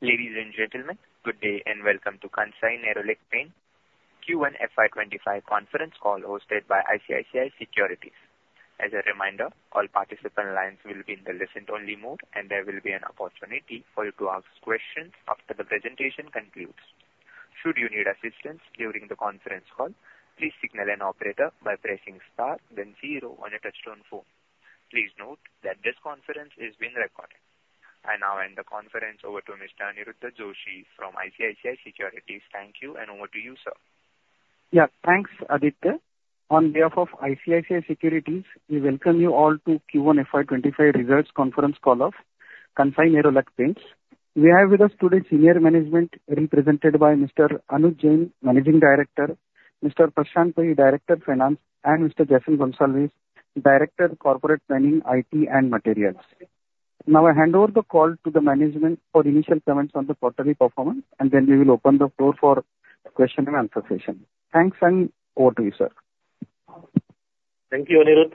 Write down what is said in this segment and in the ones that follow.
Ladies and gentlemen, good day, and welcome to Kansai Nerolac Paints Q1 FY2025 conference call, hosted by ICICI Securities. As a reminder, all participant lines will be in the listen-only mode, and there will be an opportunity for you to ask questions after the presentation concludes. Should you need assistance during the conference call, please signal an operator by pressing star, then zero on your touchtone phone. Please note that this conference is being recorded. I now hand the conference over to Mr. Aniruddha Joshi from ICICI Securities. Thank you, and over to you, sir. Yeah, thanks, Aditya. On behalf of ICICI Securities Limited, we welcome you all to Q1 FY2025 results conference call of Kansai Nerolac Paints Limited. We have with us today senior management, represented by Mr. Anuj Jain, Managing Director, Mr. Prashant Pai, Director, Finance, and Mr. Jason Gonsalves, Director, Corporate Planning, IT and Materials. Now, I hand over the call to the management for initial comments on the quarterly performance, and then we will open the floor for question and answer session. Thanks, and over to you, sir. Thank you, Aniruddha.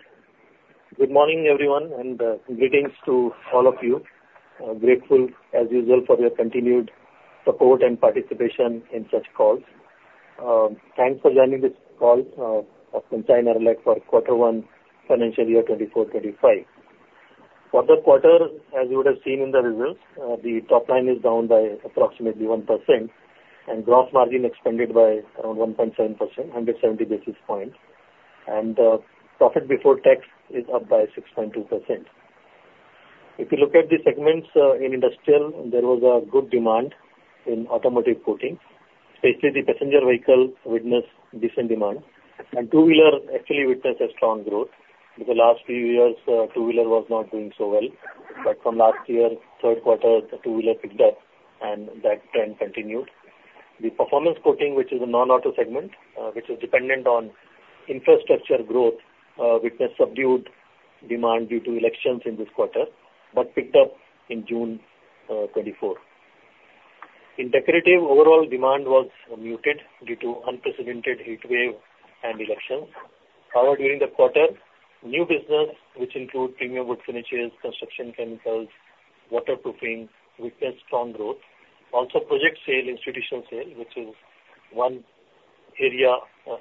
Good morning, everyone, and greetings to all of you. Grateful, as usual, for your continued support and participation in such calls. Thanks for joining this call of Kansai Nerolac for quarter 1, financial year 2024-2025. For the quarter, as you would have seen in the results, the top line is down by approximately 1%, and gross margin expanded by around 1.7%, 170 basis points, and profit before tax is up by 6.2%. If you look at the segments, in industrial, there was a good demand in automotive coating, especially the passenger vehicle witnessed decent demand, and two-wheeler actually witnessed a strong growth. In the last few years, two-wheeler was not doing so well, but from last year, third quarter, the two-wheeler picked up, and that trend continued. The performance coating, which is a non-auto segment, which is dependent on infrastructure growth, witnessed subdued demand due to elections in this quarter, but picked up in June 2024. In decorative, overall demand was muted due to unprecedented heatwave and elections. However, during the quarter, new business, which include premium wood finishes, construction chemicals, waterproofing, witnessed strong growth. Also, project sale, institutional sale, which is one area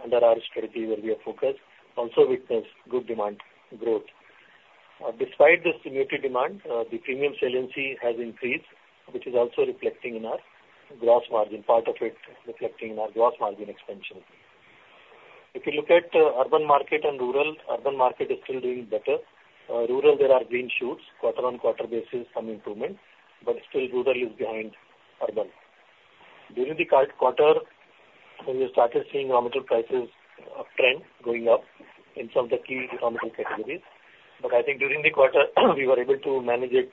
under our strategy where we are focused, also witnessed good demand growth. Despite this muted demand, the premium saliency has increased, which is also reflecting in our gross margin, part of it reflecting in our gross margin expansion. If you look at urban market and rural, urban market is still doing better. Rural, there are green shoots, quarter-on-quarter basis, some improvement, but still rural is behind urban. During the current quarter, we have started seeing raw material prices trend going up in some of the key raw material categories, but I think during the quarter, we were able to manage it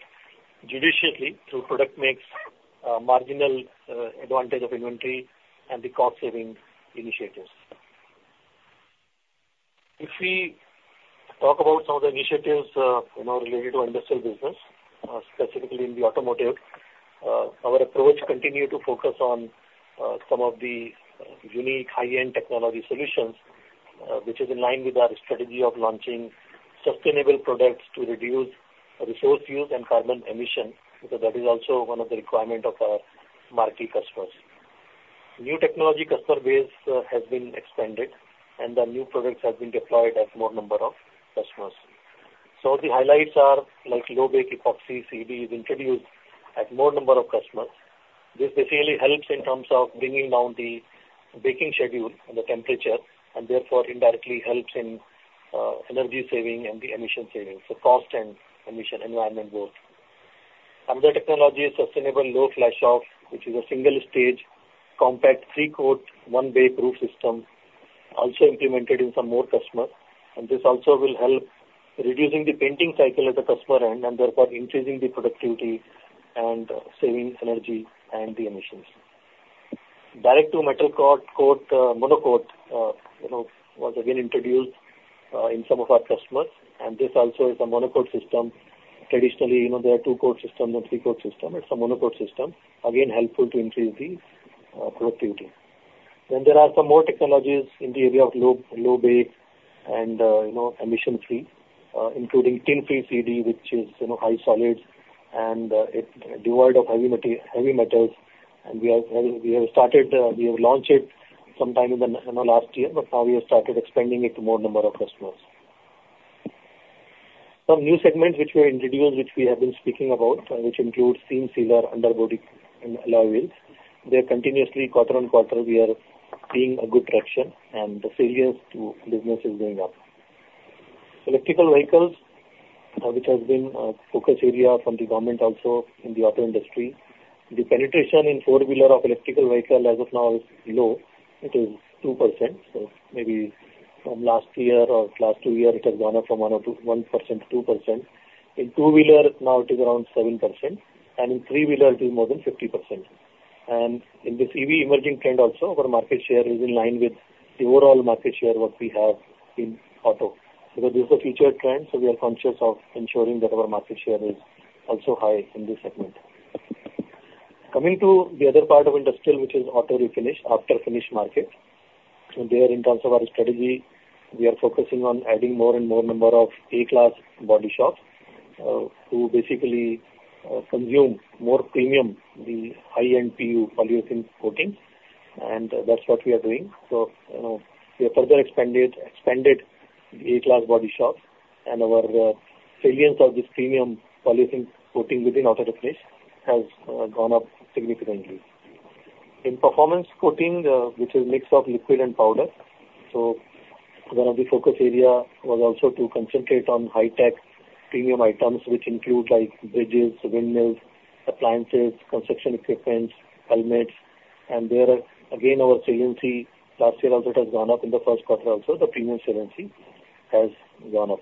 judiciously through product mix, marginal advantage of inventory and the cost saving initiatives. If we talk about some of the initiatives, you know, related to industrial business, specifically in the automotive, our approach continue to focus on some of the unique high-end technology solutions, which is in line with our strategy of launching sustainable products to reduce resource use and carbon emission, because that is also one of the requirement of our marquee customers. New technology customer base has been expanded, and the new products have been deployed at more number of customers. So the highlights are like low-bake epoxy CED is introduced at more number of customers. This basically helps in terms of bringing down the baking schedule and the temperature, and therefore indirectly helps in energy saving and the emission savings, so cost and emission environment both. Another technology is sustainable low flash-off, which is a single stage, compact three-coat, one-bake roof system, also implemented in some more customer. And this also will help reducing the painting cycle at the customer end, and therefore increasing the productivity and saving energy and the emissions. Direct to metal coat monocoat, you know, was again introduced in some of our customers, and this also is a monocoat system. Traditionally, you know, there are two-coat system and three-coat system. It's a monocoat system, again, helpful to increase the productivity. Then there are some more technologies in the area of low-bake and, you know, emission-free, including tin-free CED, which is, you know, high solids and, it's devoid of heavy metals. And we have started, we have launched it sometime in the, you know, last year, but now we have started expanding it to more number of customers. Some new segments which were introduced, which we have been speaking about, which include seam sealer, underbody and alloy wheels. They are continuously, quarter-on-quarter, we are seeing a good traction and the sales to business is going up. Electric vehicles, which has been a focus area from the government also in the auto industry, the penetration in four-wheeler of electric vehicle as of now is low. It is 2%, so maybe from last year or last two year, it has gone up from one or two, 1% to 2%. In two-wheeler, now it is around 7%, and in three-wheeler it is more than 50%. And in this EV emerging trend also, our market share is in line with the overall market share what we have in auto. Because this is a future trend, so we are conscious of ensuring that our market share is also high in this segment. Coming to the other part of industrial, which is auto refinish, after finish market. So there, in terms of our strategy, we are focusing on adding more and more number of A-class body shops, who basically, consume more premium, the high NPU polyurethane coatings, and that's what we are doing. So, you know, we have further expanded, expanded the A-class body shops, and our saliency of this premium polyurethane coating within auto refinish has gone up significantly. In performance coating, which is mix of liquid and powder, so one of the focus area was also to concentrate on high-tech premium items, which include like bridges, windmills, appliances, construction equipment, helmets, and there, again, our saliency last year also it has gone up in the first quarter also, the premium saliency has gone up.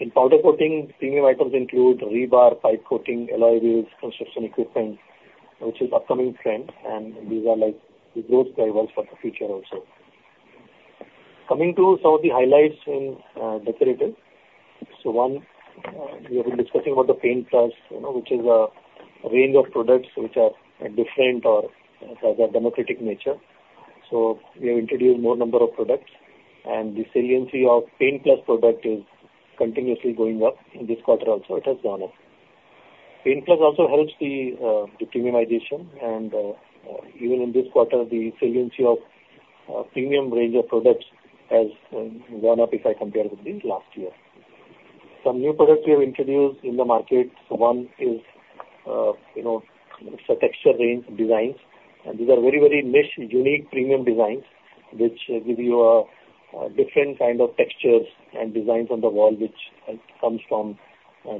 In powder coating, premium items include rebar, pipe coating, alloy wheels, construction equipment, which is upcoming trend, and these are like the growth drivers for the future also. Coming to some of the highlights in decorative. So one, we have been discussing about the Paint+, you know, which is a range of products which are different or of a democratic nature. So we have introduced more number of products, and the saliency of Paint+ product is continuously going up. In this quarter also, it has gone up. Paint+ also helps the premiumization, and even in this quarter, the saliency of premium range of products has gone up if I compare with the last year. Some new products we have introduced in the market, one is, you know, texture range designs, and these are very, very niche, unique premium designs, which give you a different kind of textures and designs on the wall, which comes from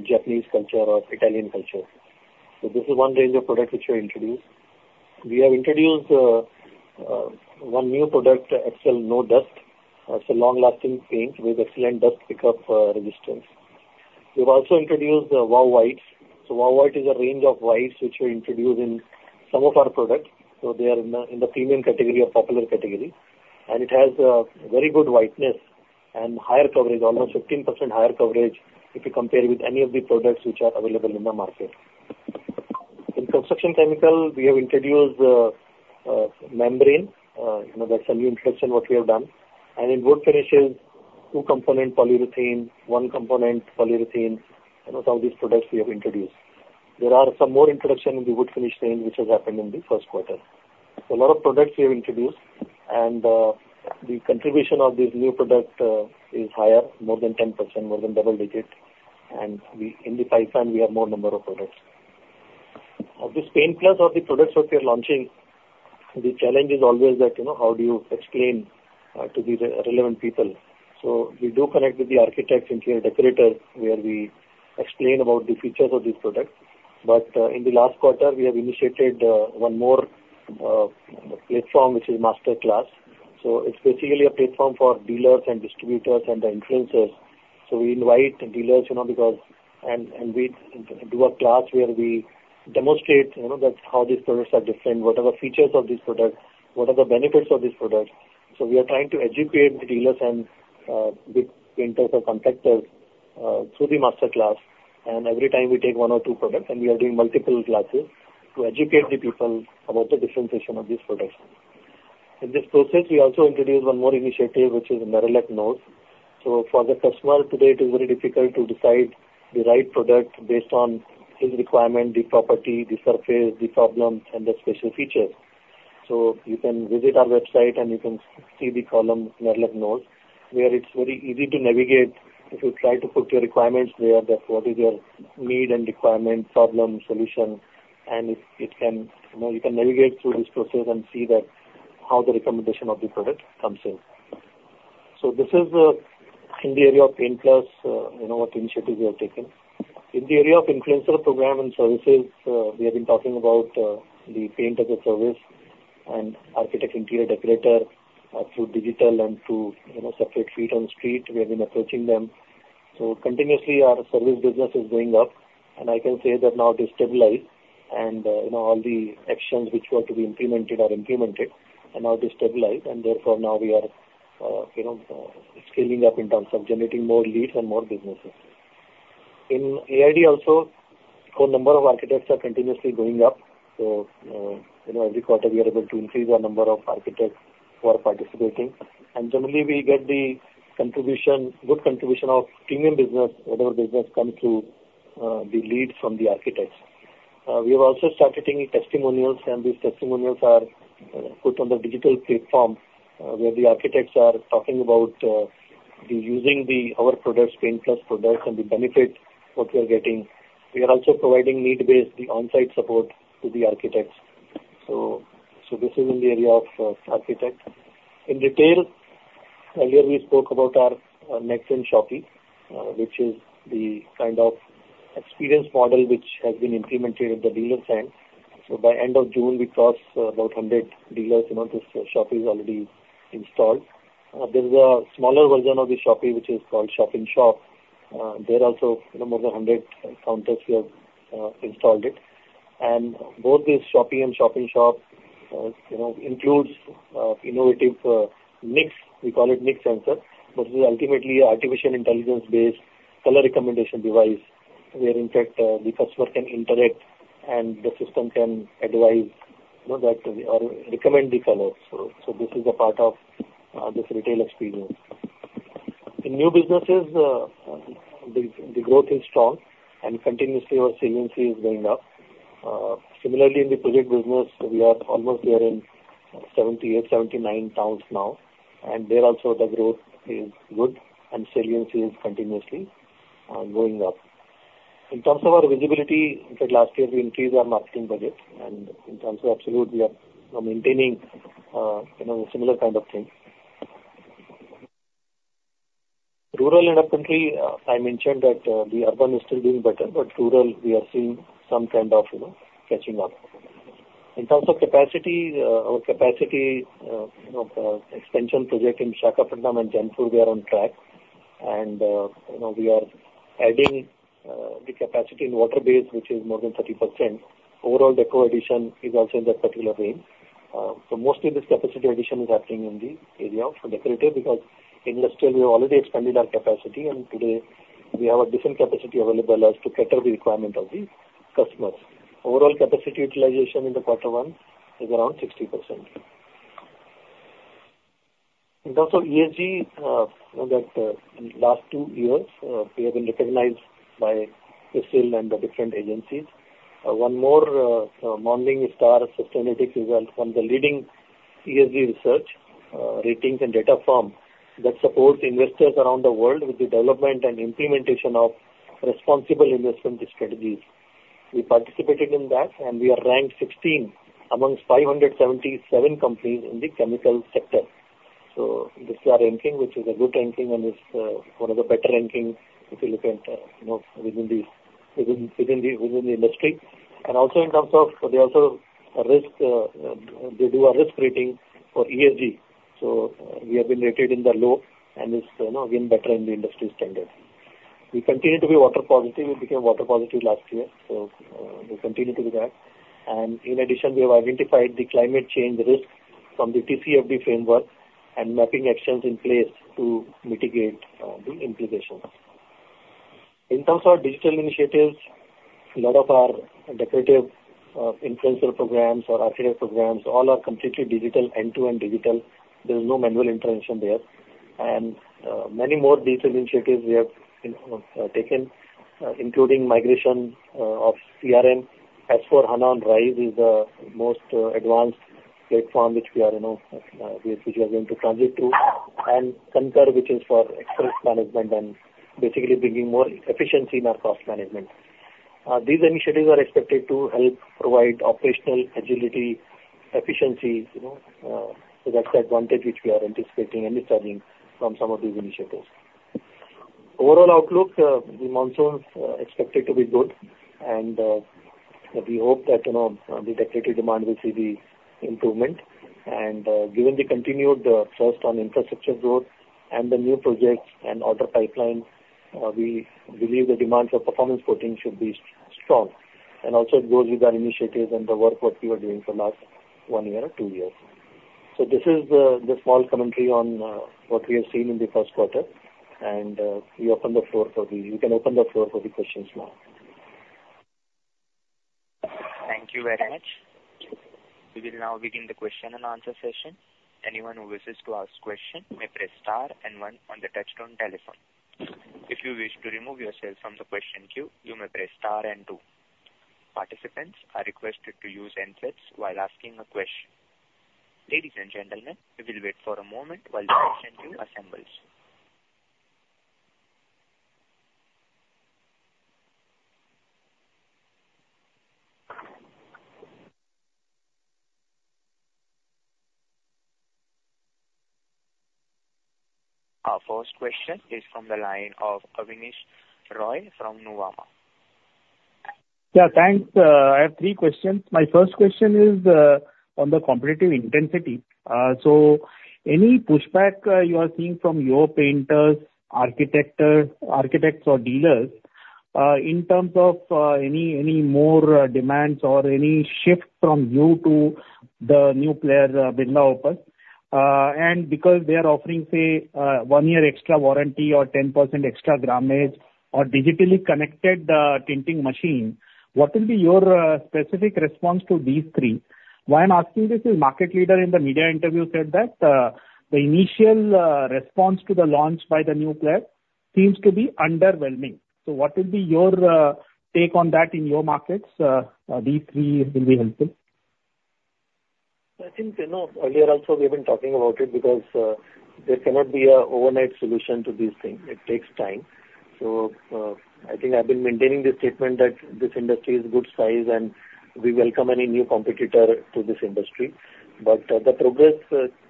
Japanese culture or Italian culture. So this is one range of product which we introduced. We have introduced one new product, Excel No Dust. It's a long-lasting paint with excellent dust pickup resistance. We've also introduced the Wow Whites. So Wow Whites is a range of whites, which we introduced in some of our products, so they are in the, in the premium category or popular category. And it has a very good whiteness and higher coverage, almost 15% higher coverage, if you compare with any of the products which are available in the market. In construction chemical, we have introduced, membrane, you know, that's a new introduction what we have done. And in wood finishes, two-component polyurethane, one-component polyurethane, you know, some of these products we have introduced. There are some more introduction in the wood finish range, which has happened in the first quarter. So a lot of products we have introduced, and, the contribution of this new product, is higher, more than 10%, more than double digit, and we- in the pipeline, we have more number of products. Of this Paint+ of the products which we are launching, the challenge is always that, you know, how do you explain to the relevant people? So we do connect with the architects, interior decorator, where we explain about the features of this product. But, in the last quarter, we have initiated, one more, platform, which is Masterclass. So it's basically a platform for dealers and distributors and the influencers. So we invite the dealers, you know, because... And, and we do a class where we demonstrate, you know, that how these products are different, what are the features of this product, what are the benefits of this product. So we are trying to educate the dealers and the painters or contractors through the Masterclass, and every time we take one or two products, and we are doing multiple classes, to educate the people about the differentiation of these products. In this process, we also introduced one more initiative, which is Nerolac Knows. So for the customer today, it is very difficult to decide the right product based on his requirement, the property, the surface, the problem, and the special feature. So you can visit our website and you can see the column, Nerolac Knows, where it's very easy to navigate. If you try to put your requirements there, that what is your need and requirement, problem, solution, and it, it can, you know, you can navigate through this process and see that how the recommendation of the product comes in. So this is, in the area of Paint+, you know, what initiatives we have taken. In the area of influencer program and services, we have been talking about, the paint as a service and architect, interior decorator, through digital and through, you know, separate feet on the street, we have been approaching them. So continuously, our service business is going up, and I can say that now it is stabilized, and, you know, all the actions which were to be implemented are implemented, and now it is stabilized, and therefore, now we are, you know, scaling up in terms of generating more leads and more businesses. In AID also, core number of architects are continuously going up, so, you know, every quarter, we are able to increase our number of architects who are participating. Generally, we get the contribution, good contribution of premium business, whatever business comes through the leads from the architects. We have also started getting testimonials, and these testimonials are put on the digital platform where the architects are talking about the using the our products, Paint+ products, and the benefit what we are getting. We are also providing need-based, the on-site support to the architects. So this is in the area of architects. In retail, earlier we spoke about our Next Gen Shoppe, which is the kind of experience model which has been implemented at the dealer's end. So by end of June, we crossed about 100 dealers, you know, this Shoppe is already installed. There is a smaller version of the Shoppe, which is called Shop-in-Shop. There also, you know, more than 100 counters we have installed it. And both the Shop-in-Shop and Shop-in-Shop includes innovative mix, we call it Nix Sensor, but it is ultimately artificial intelligence-based color recommendation device, where in fact the customer can interact and the system can advise, you know, that or recommend the color. So this is a part of this retail experience. In new businesses, the growth is strong and continuously our saliency is going up. Similarly, in the project business, we are almost there in 78 to 79 towns now, and there also the growth is good and saliency is continuously going up. In terms of our visibility, in fact last year, we increased our marketing budget, and in terms of absolute, we are maintaining, you know, similar kind of thing. Rural and urban country, I mentioned that, the urban is still doing better, but rural, we are seeing some kind of, you know, catching up. In terms of capacity, our capacity, you know, expansion project in Srikakulam and Jamshedpur, we are on track. You know, we are adding the capacity in water base, which is more than 30%. Overall, deco addition is also in that particular range. So mostly this capacity addition is happening in the area of decorative, because industrial, we have already expanded our capacity, and today we have a different capacity available as to cater the requirement of the customers. Overall capacity utilization in the quarter 1 is around 60%. In terms of ESG, you know, that, in last two years, we have been recognized by CRISIL and the different agencies. One more, Morningstar Sustainalytics is from the leading ESG research, ratings and data firm that supports investors around the world with the development and implementation of responsible investment strategies. We participated in that, and we are ranked 16 among 577 companies in the chemical sector. So this is our ranking, which is a good ranking, and it's one of the better rankings if you look at, you know, within the industry. And also in terms of, they also a risk, they do a risk rating for ESG. So, we have been rated in the low, and it's, you know, again, better in the industry standard. We continue to be water positive. We became water positive last year, so we continue to do that. And in addition, we have identified the climate change risk from the TCFD framework and mapping actions in place to mitigate the implications. In terms of our digital initiatives, a lot of our decorative influencer programs or affiliate programs, all are completely digital, end-to-end digital. There is no manual intervention there. Many more digital initiatives we have, you know, taken, including migration of CRM. SAP S/4HANA on Rise is the most advanced platform, which we are, you know, which we are going to transit to, and Concur, which is for expense management and basically bringing more efficiency in our cost management. These initiatives are expected to help provide operational agility, efficiency, you know, so that's the advantage which we are anticipating and returning from some of these initiatives. Overall outlook, the monsoons are expected to be good, and we hope that, you know, the decorative demand will see the improvement. And, given the continued focus on infrastructure growth and the new projects and order pipeline, we believe the demand for performance coating should be strong, and also it goes with our initiatives and the work what we were doing for last one year or two years. So this is the small commentary on what we have seen in the first quarter, and we open the floor for the... You can open the floor for the questions now. Thank you very much. We will now begin the question and answer session. Anyone who wishes to ask question may press star and one on the touchtone telephone. If you wish to remove yourself from the question queue, you may press star and two. Participants are requested to use handsets while asking a question. Ladies and gentlemen, we will wait for a moment while the question queue assembles. Our first question is from the line of Abneesh Roy from Nuvama. Yeah, thanks. I have three questions. My first question is on the competitive intensity. So any pushback you are seeing from your painters, architects or dealers in terms of any more demands or any shift from you to the new player, Birla Opus? And because they are offering, say, one year extra warranty or 10% extra grammage or digitally connected tinting machine, what will be your specific response to these three? Why I'm asking this is market leader in the media interview said that the initial response to the launch by the new player seems to be underwhelming. So what will be your take on that in your markets? These three will be helpful. I think, you know, earlier also we've been talking about it because, there cannot be an overnight solution to these things. It takes time. So, I think I've been maintaining the statement that this industry is good size, and we welcome any new competitor to this industry. But, the progress,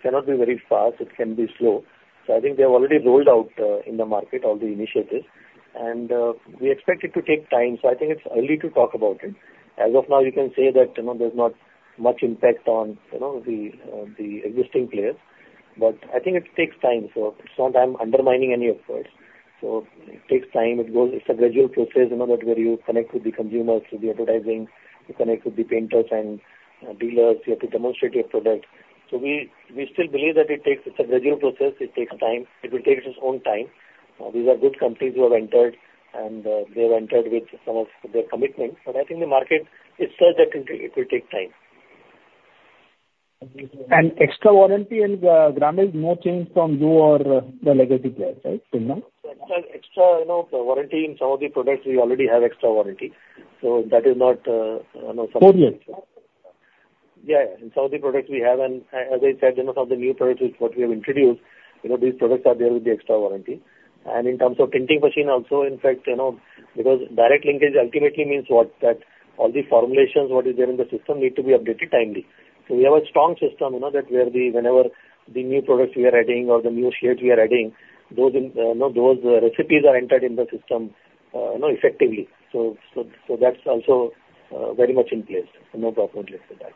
cannot be very fast, it can be slow. So I think they have already rolled out, in the market, all the initiatives, and, we expect it to take time, so I think it's early to talk about it. As of now, you can say that, you know, there's not much impact on, you know, the, the existing players. But I think it takes time, so it's not I'm undermining any efforts. So it takes time. It goes, it's a gradual process, you know, that where you connect with the consumers, through the advertising, you connect with the painters and dealers, you have to demonstrate your product. So we, we still believe that it takes, it's a gradual process, it takes time. It will take its own time. These are good companies who have entered, and they have entered with some of their commitment. But I think the market is such that it will, it will take time. Extra warranty and, Grasim, no change from you or the legacy players, right? Till now. Extra, you know, warranty, in some of the products we already have extra warranty, so that is not, you know, Four years. Yeah, in some of the products we have, and as I said, you know, some of the new products which we have introduced, you know, these products are there with the extra warranty. And in terms of printing machine also, in fact, you know, because direct linkage ultimately means what? That all the formulations, what is there in the system need to be updated timely. So we have a strong system, you know, that where the—whenever the new products we are adding or the new shades we are adding, those, you know, those recipes are entered in the system, you know, effectively. So, so, so that's also very much in place. So no problem with that.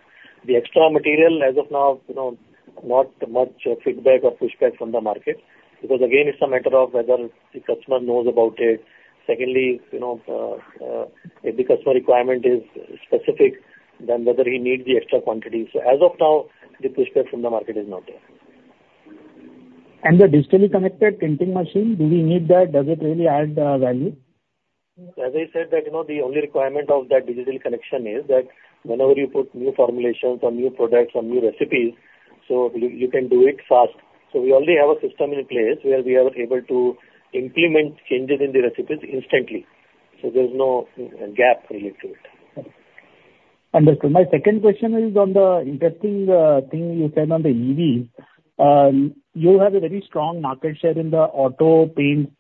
The extra material, as of now, you know, not much feedback or pushback from the market, because again, it's a matter of whether the customer knows about it. Secondly, you know, if the customer requirement is specific, then whether he needs the extra quantity. So as of now, the pushback from the market is not there. The digitally connected printing machine, do we need that? Does it really add value? As I said, that, you know, the only requirement of that digital connection is that whenever you put new formulations or new products or new recipes, so you can do it fast. So we already have a system in place where we are able to implement changes in the recipes instantly, so there's no gap related to it. Understood. My second question is on the interesting thing you said on the EV. You have a very strong market share in the auto paints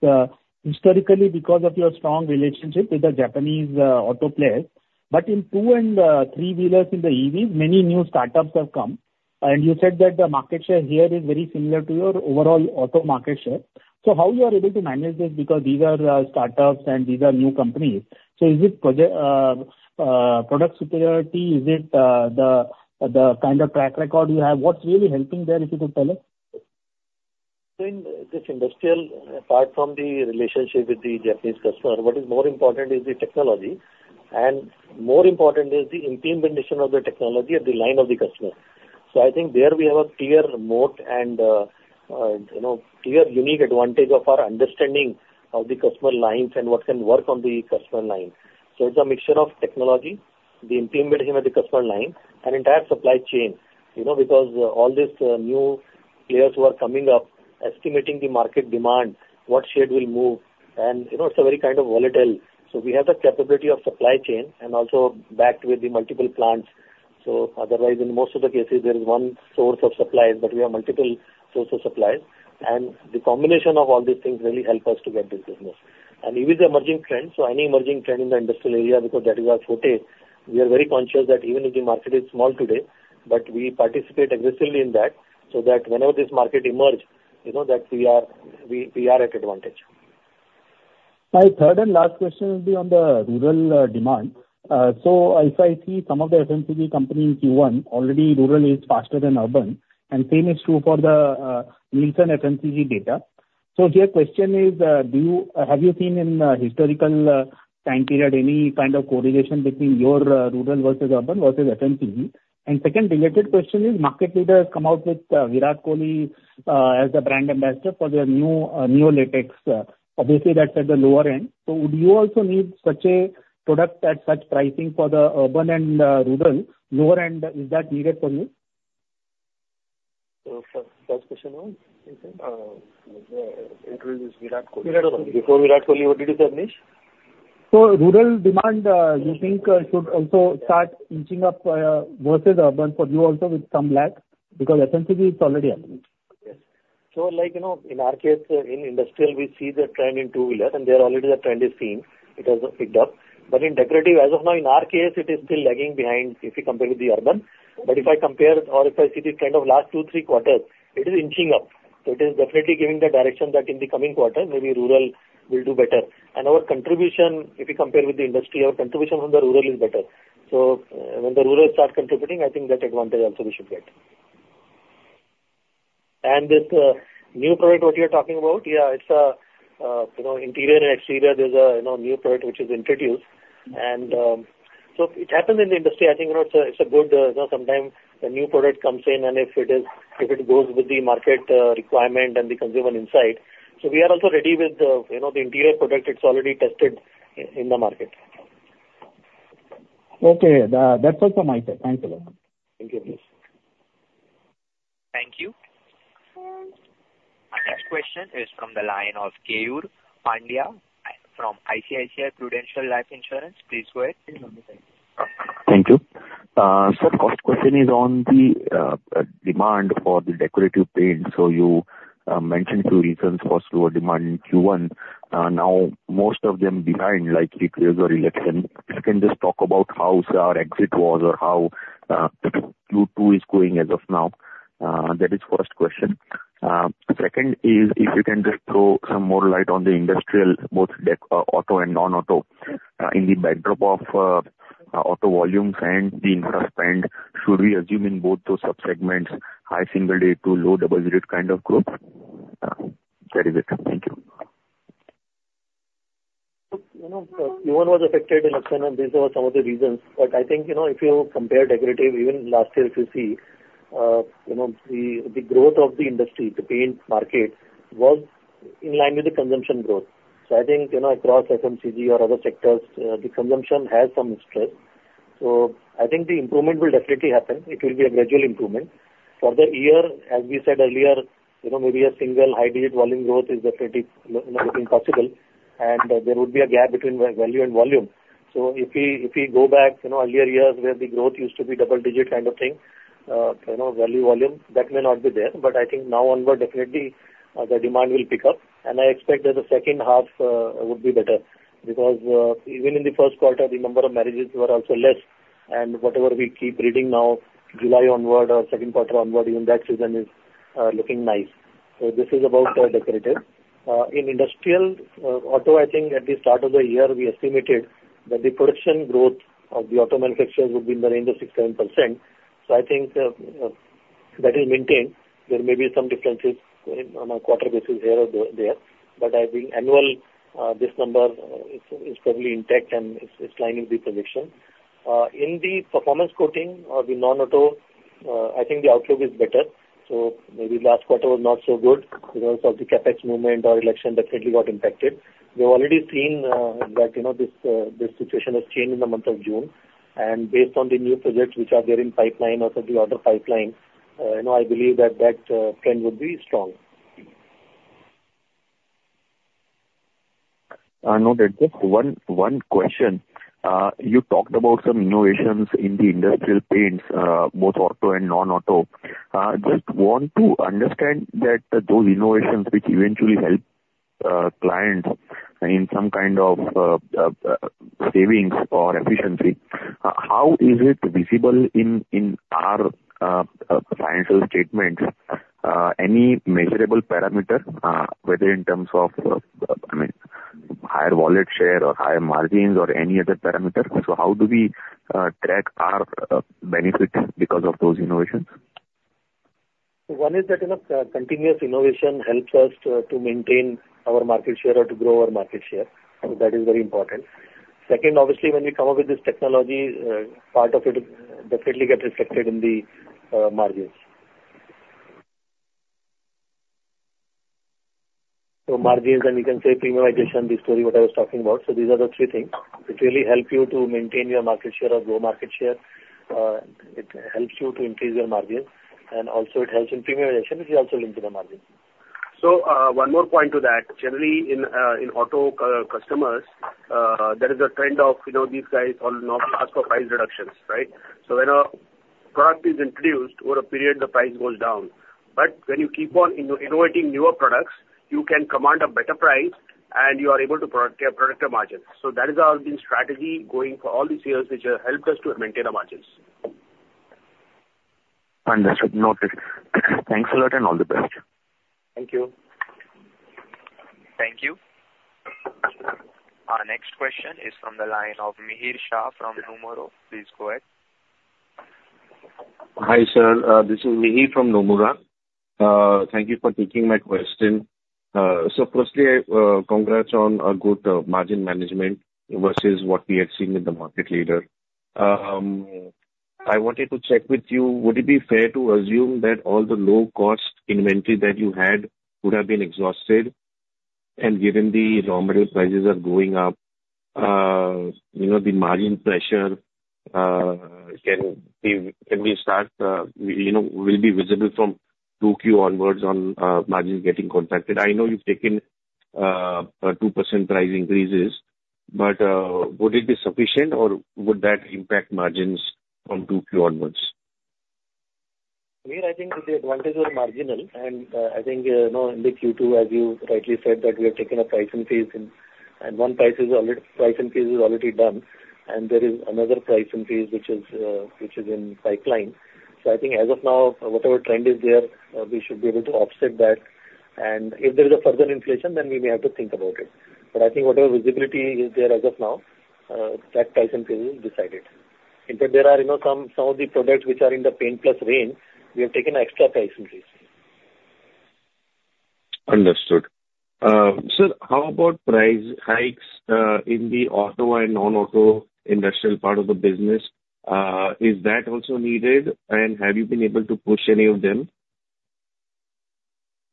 historically, because of your strong relationship with the Japanese auto players. But in two-wheeler and three-wheelers in the EV, many new startups have come, and you said that the market share here is very similar to your overall auto market share. So how you are able to manage this? Because these are startups and these are new companies. So is it product superiority? Is it the kind of track record you have? What's really helping there, if you could tell us? In this industrial, apart from the relationship with the Japanese customer, what is more important is the technology, and more important is the implementation of the technology at the line of the customer. So I think there we have a clear moat and, you know, clear unique advantage of our understanding of the customer lines and what can work on the customer line. So it's a mixture of technology, the implementation at the customer line and entire supply chain, you know, because all these new players who are coming up, estimating the market demand, what shade will move, and, you know, it's a very kind of volatile. So we have the capability of supply chain and also backed with the multiple plants. So otherwise, in most of the cases, there is one source of supply, but we have multiple sources of supply. The combination of all these things really help us to get this business. EV is a emerging trend, so any emerging trend in the industrial area, because that is our forte, we are very conscious that even if the market is small today, but we participate aggressively in that, so that whenever this market emerge, you know that we are, we, we are at advantage. My third and last question will be on the rural demand. So if I see some of the FMCG companies in Q1, already rural is faster than urban, and same is true for the Nielsen FMCG data. So here question is, have you seen in historical time period any kind of correlation between your rural versus urban versus FMCG? And second related question is, market leaders come out with Virat Kohli as the brand ambassador for their new NeoBharat Latex. Obviously, that's at the lower end. So would you also need such a product at such pricing for the urban and rural? Lower end, is that needed for you? So first, first question was? Introduce Virat Kohli. Virat Kohli. Before Virat Kohli, what did you say, Manish? So rural demand, you think, should also start inching up versus urban for you also with some lag, because FMCG it's already happening. Yes. So like, you know, in our case, in industrial, we see the trend in two-wheeler, and there already the trend is seen. It has picked up. But in decorative, as of now, in our case, it is still lagging behind if we compare with the urban. But if I compare or if I see this kind of last two, three quarters, it is inching up. So it is definitely giving the direction that in the coming quarters, maybe rural will do better. And our contribution, if we compare with the industry, our contribution from the rural is better. So, when the rural start contributing, I think that advantage also we should get. And this, new product, what you're talking about, yeah, it's a, you know, interior and exterior. There's a, you know, new product which is introduced. And, so it happens in the industry. I think, you know, it's a, it's a good, you know, sometimes a new product comes in, and if it goes with the market, requirement and the consumer insight. So we are also ready with the, you know, the interior product. It's already tested in the market. Okay. That's all from my side. Thank you very much. Thank you. Thank you. Our next question is from the line of Keyur Pandya from ICICI Prudential Life Insurance. Please go ahead. Thank you. So first question is on the demand for the decorative paint. So you mentioned two reasons for slower demand in Q1. Now most of them behind, like clear election. You can just talk about how our exit was or how Q2 is going as of now? That is first question. Second is, if you can just throw some more light on the industrial, both auto and non-auto, in the backdrop of auto volumes and the infra spend, should we assume in both those sub-segments, high-single-digit to low double digit kind of growth? That is it. Thank you. You know, one was affected in Lucknow. These were some of the reasons, but I think, you know, if you compare decorative, even last year, if you see, you know, the, the growth of the industry, the paint market, was in line with the consumption growth. So I think, you know, across FMCG or other sectors, the consumption has some strength. So I think the improvement will definitely happen. It will be a gradual improvement. For the year, as we said earlier, you know, maybe a single-high-digit volume growth is definitely, you know, possible, and there would be a gap between the value and volume. So if we, if we go back, you know, earlier years, where the growth used to be double-digit kind of thing, you know, value, volume, that may not be there. But I think now onward definitely, the demand will pick up, and I expect that the second half would be better, because even in the first quarter, the number of marriages were also less. Whatever we keep reading now, July onward or second quarter onward, even that season is looking nice. So this is about decorative. In industrial auto, I think at the start of the year, we estimated that the production growth of the auto manufacturers would be in the range of 6% to 7%. So I think that is maintained. There may be some differences on a quarter basis here or there, but I think annual this number is probably intact, and it's in line with the projection. In the performance coating or the non-auto, I think the outlook is better. So maybe last quarter was not so good because of the capex movement or election. Definitely got impacted. We've already seen that, you know, this situation has changed in the month of June. And based on the new projects which are there in pipeline or certain order pipeline, you know, I believe that that trend would be strong. I noted. Just one, one question. You talked about some innovations in the industrial paints, both auto and non-auto. Just want to understand that those innovations which eventually help clients in some kind of savings or efficiency, how is it visible in our financial statements? Any measurable parameter, whether in terms of, I mean, higher wallet share or higher margins or any other parameter. So how do we track our benefit because of those innovations? One is that, you know, continuous innovation helps us to, to maintain our market share or to grow our market share, and that is very important. Second, obviously, when we come up with this technology, part of it definitely gets reflected in the margins. So margins, and you can say premiumization, the story what I was talking about. So these are the three things which really help you to maintain your market share or grow market share. It helps you to increase your margins, and also it helps in premiumization, which is also linked to the margin. So, one more point to that. Generally, in auto OEM customers, there is a trend of, you know, these guys all now ask for price reductions, right? So when a product is introduced, over a period, the price goes down. But when you keep on innovating newer products, you can command a better price, and you are able to protect the margins. So that is our strategy going for all these years, which has helped us to maintain our margins. Understood. Noted. Thanks a lot and all the best. Thank you. Thank you. Our next question is from the line of Mihir Shah from Nomura. Please go ahead. Hi, sir. This is Mihir from Nomura. Thank you for taking my question. So firstly, congrats on a good margin management versus what we have seen with the market leader. I wanted to check with you, would it be fair to assume that all the low-cost inventory that you had would have been exhausted? And given the raw material prices are going up, you know, the margin pressure can be, can we start, you know, will be visible from Q2 onwards on margins getting contracted. I know you've taken 2% price increases, but would it be sufficient, or would that impact margins from Q2 onwards? Mihir, I think the advantages are marginal, and, I think, you know, in the Q2, as you rightly said, that we have taken a price increase, and, and one price is already—price increase is already done, and there is another price increase, which is, which is in pipeline. So I think as of now, whatever trend is there, we should be able to offset that, and if there is a further inflation, then we may have to think about it. But I think whatever visibility is there as of now, that price increase is decided. In fact, there are, you know, some, some of the products which are in the Paint+ range, we have taken extra price increase. Understood. Sir, how about price hikes in the auto and non-auto industrial part of the business? Is that also needed, and have you been able to push any of them?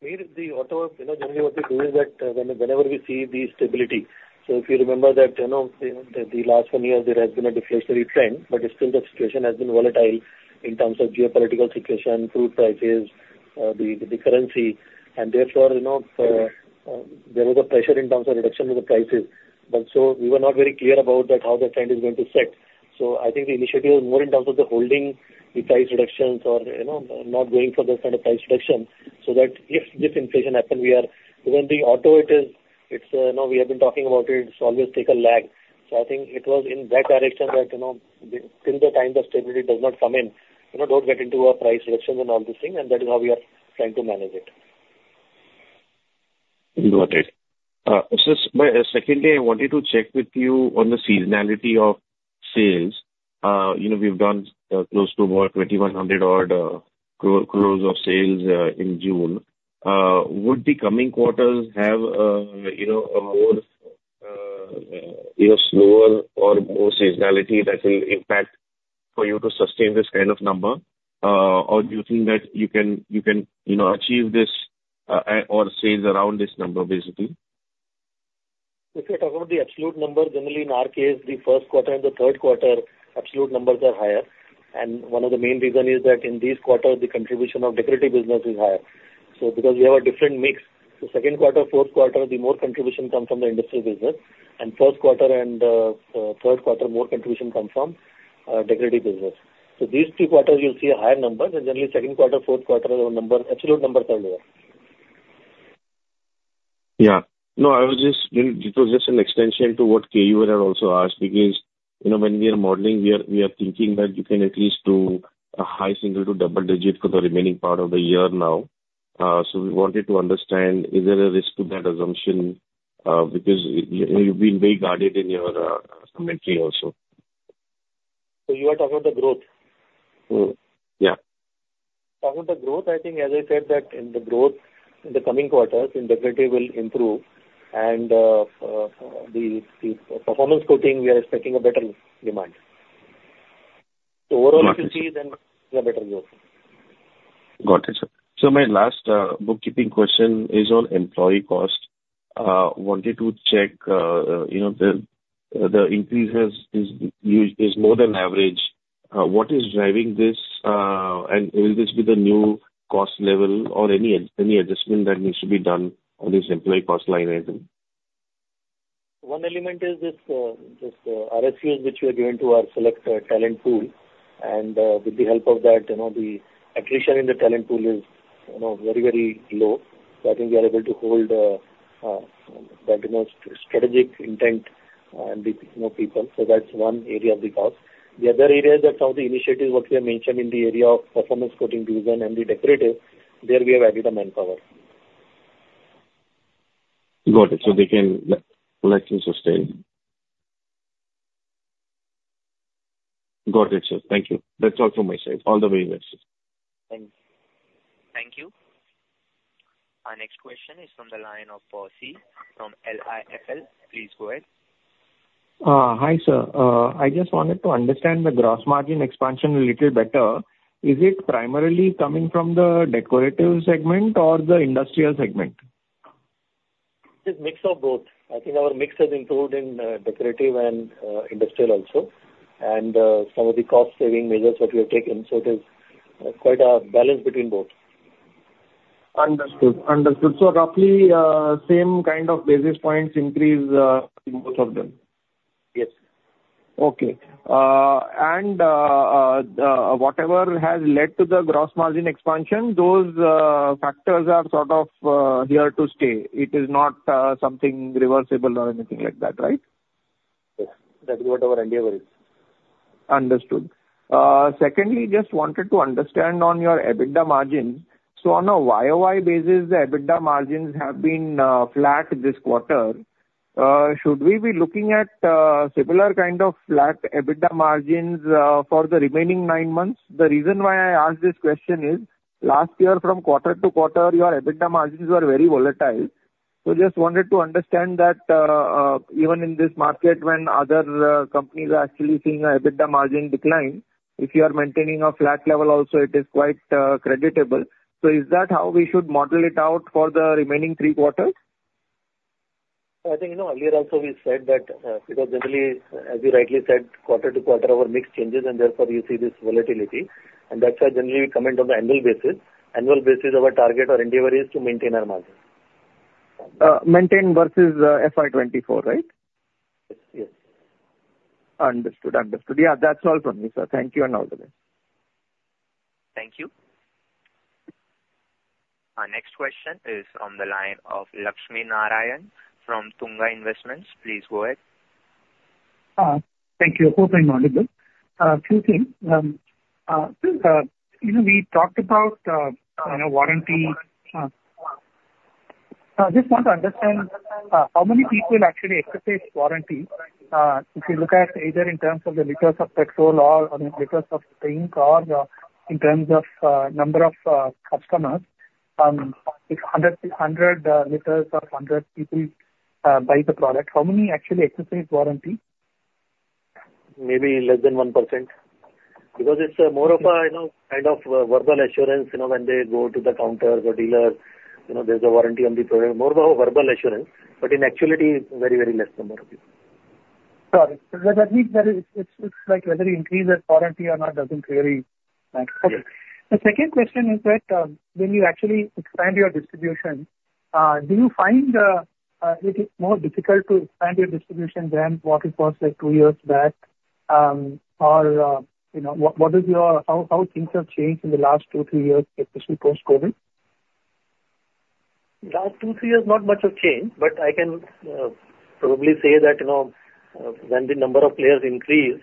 Mihir, the auto, you know, generally what we do is that, whenever we see the stability, so if you remember that, you know, the last one year, there has been a deflationary trend, but still the situation has been volatile in terms of geopolitical situation, crude prices, the currency, and therefore, you know, there was a pressure in terms of reduction in the prices. But so we were not very clear about that, how the trend is going to set. So I think the initiative is more in terms of holding the price reductions or, you know, not going for the kind of price reduction, so that if this inflation happens, we are... Even the auto, it's, you know, we have been talking about it, it's always take a lag. So I think it was in that direction that, you know, till the time the stability does not come in, you know, don't get into a price reduction and all these things, and that is how we are trying to manage it.... Got it. So secondly, I wanted to check with you on the seasonality of sales. You know, we've done close to about 2,100 crores of sales in June. Would the coming quarters have you know, a more you know, slower or more seasonality that will impact for you to sustain this kind of number? Or do you think that you can you can you know, achieve this or sales around this number, basically? If you're talking about the absolute number, generally in our case, the first quarter and the third quarter, absolute numbers are higher. And one of the main reason is that in these quarters, the contribution of decorative business is higher. So because we have a different mix, the second quarter, fourth quarter, the more contribution comes from the industrial business, and first quarter and third quarter, more contribution comes from decorative business. So these two quarters, you'll see higher numbers, and generally, second quarter, fourth quarter, our numbers, absolute numbers are lower. Yeah. No, I was just, it was just an extension to what Keyur had also asked, because, you know, when we are modeling, we are thinking that you can at least do a high-single to double-digit for the remaining part of the year now. So we wanted to understand, is there a risk to that assumption, because you've been very guarded in your commentary also? You are talking of the growth? Hmm. Yeah. Talking the growth, I think, as I said, that in the growth in the coming quarters in decorative will improve, and the performance coating, we are expecting a better demand. So overall- Got it. You will see then a better growth. Got it, sir. So my last bookkeeping question is on employee cost. Wanted to check, you know, the increase is more than average. What is driving this, and will this be the new cost level or any adjustment that needs to be done on this employee cost line item? One element is this, this RSUs, which we are giving to our select talent pool, and with the help of that, you know, the attrition in the talent pool is, you know, very, very low. So I think we are able to hold that, you know, strategic intent and with more people. So that's one area of the cost. The other area is that some of the initiatives what we have mentioned in the area of performance coating division and the decorative, there we have added the manpower. Got it. So they can let you sustain. Got it, sir. Thank you. That's all from my side. All the way, thanks. Thank you. Thank you. Our next question is from the line of Percy Panth from IIFL. Please go ahead. Hi, sir. I just wanted to understand the gross margin expansion a little better. Is it primarily coming from the decorative segment or the industrial segment? It's mix of both. I think our mix has improved in decorative and industrial also, and some of the cost-saving measures that we have taken, so it is quite a balance between both. Understood. Understood. So roughly, same kind of basis points increase in both of them? Yes. Okay. And whatever has led to the gross margin expansion, those factors are sort of here to stay. It is not something reversible or anything like that, right? Yes. That is what our endeavor is. Understood. Secondly, just wanted to understand on your EBITDA margin. So on a YoY basis, the EBITDA margins have been flat this quarter. Should we be looking at similar kind of flat EBITDA margins for the remaining nine months? The reason why I ask this question is, last year, from quarter to quarter, your EBITDA margins were very volatile. So just wanted to understand that even in this market, when other companies are actually seeing an EBITDA margin decline, if you are maintaining a flat level also, it is quite creditable. So is that how we should model it out for the remaining three quarters? I think, you know, earlier also we said that, because generally, as you rightly said, quarter to quarter, our mix changes, and therefore you see this volatility. That's why generally we comment on the annual basis. Annual basis, our target or endeavor is to maintain our margins. Maintain versus FY 2024, right? Yes. Yes. Understood. Understood. Yeah, that's all from me, sir. Thank you, and all the best. Thank you. Our next question is on the line of Lakshmi Narayanan from Tunga Investments. Please go ahead. Thank you. Hope I'm audible. Two things. You know, we talked about, you know, warranty. I just want to understand how many people actually exercise warranty. If you look at either in terms of the liters of petrol or liters of paint, or in terms of number of customers, if 100, 100 liters or 100 people buy the product, how many actually exercise warranty? Maybe less than 1%. Because it's more of a, you know, kind of verbal assurance, you know, when they go to the counter or dealer, you know, there's a warranty on the product. More of a verbal assurance, but in actuality, very, very less number of people. Got it. So that means that it's, like, whether you increase that warranty or not doesn't really matter. Yes. Okay. The second question is that, when you actually expand your distribution, do you find it is more difficult to expand your distribution than what it was, like, two years back? Or, you know, what is your... How things have changed in the last two, three years, especially post-COVID? Last 2, 3 years, not much has changed, but I can probably say that, you know, when the number of players increase,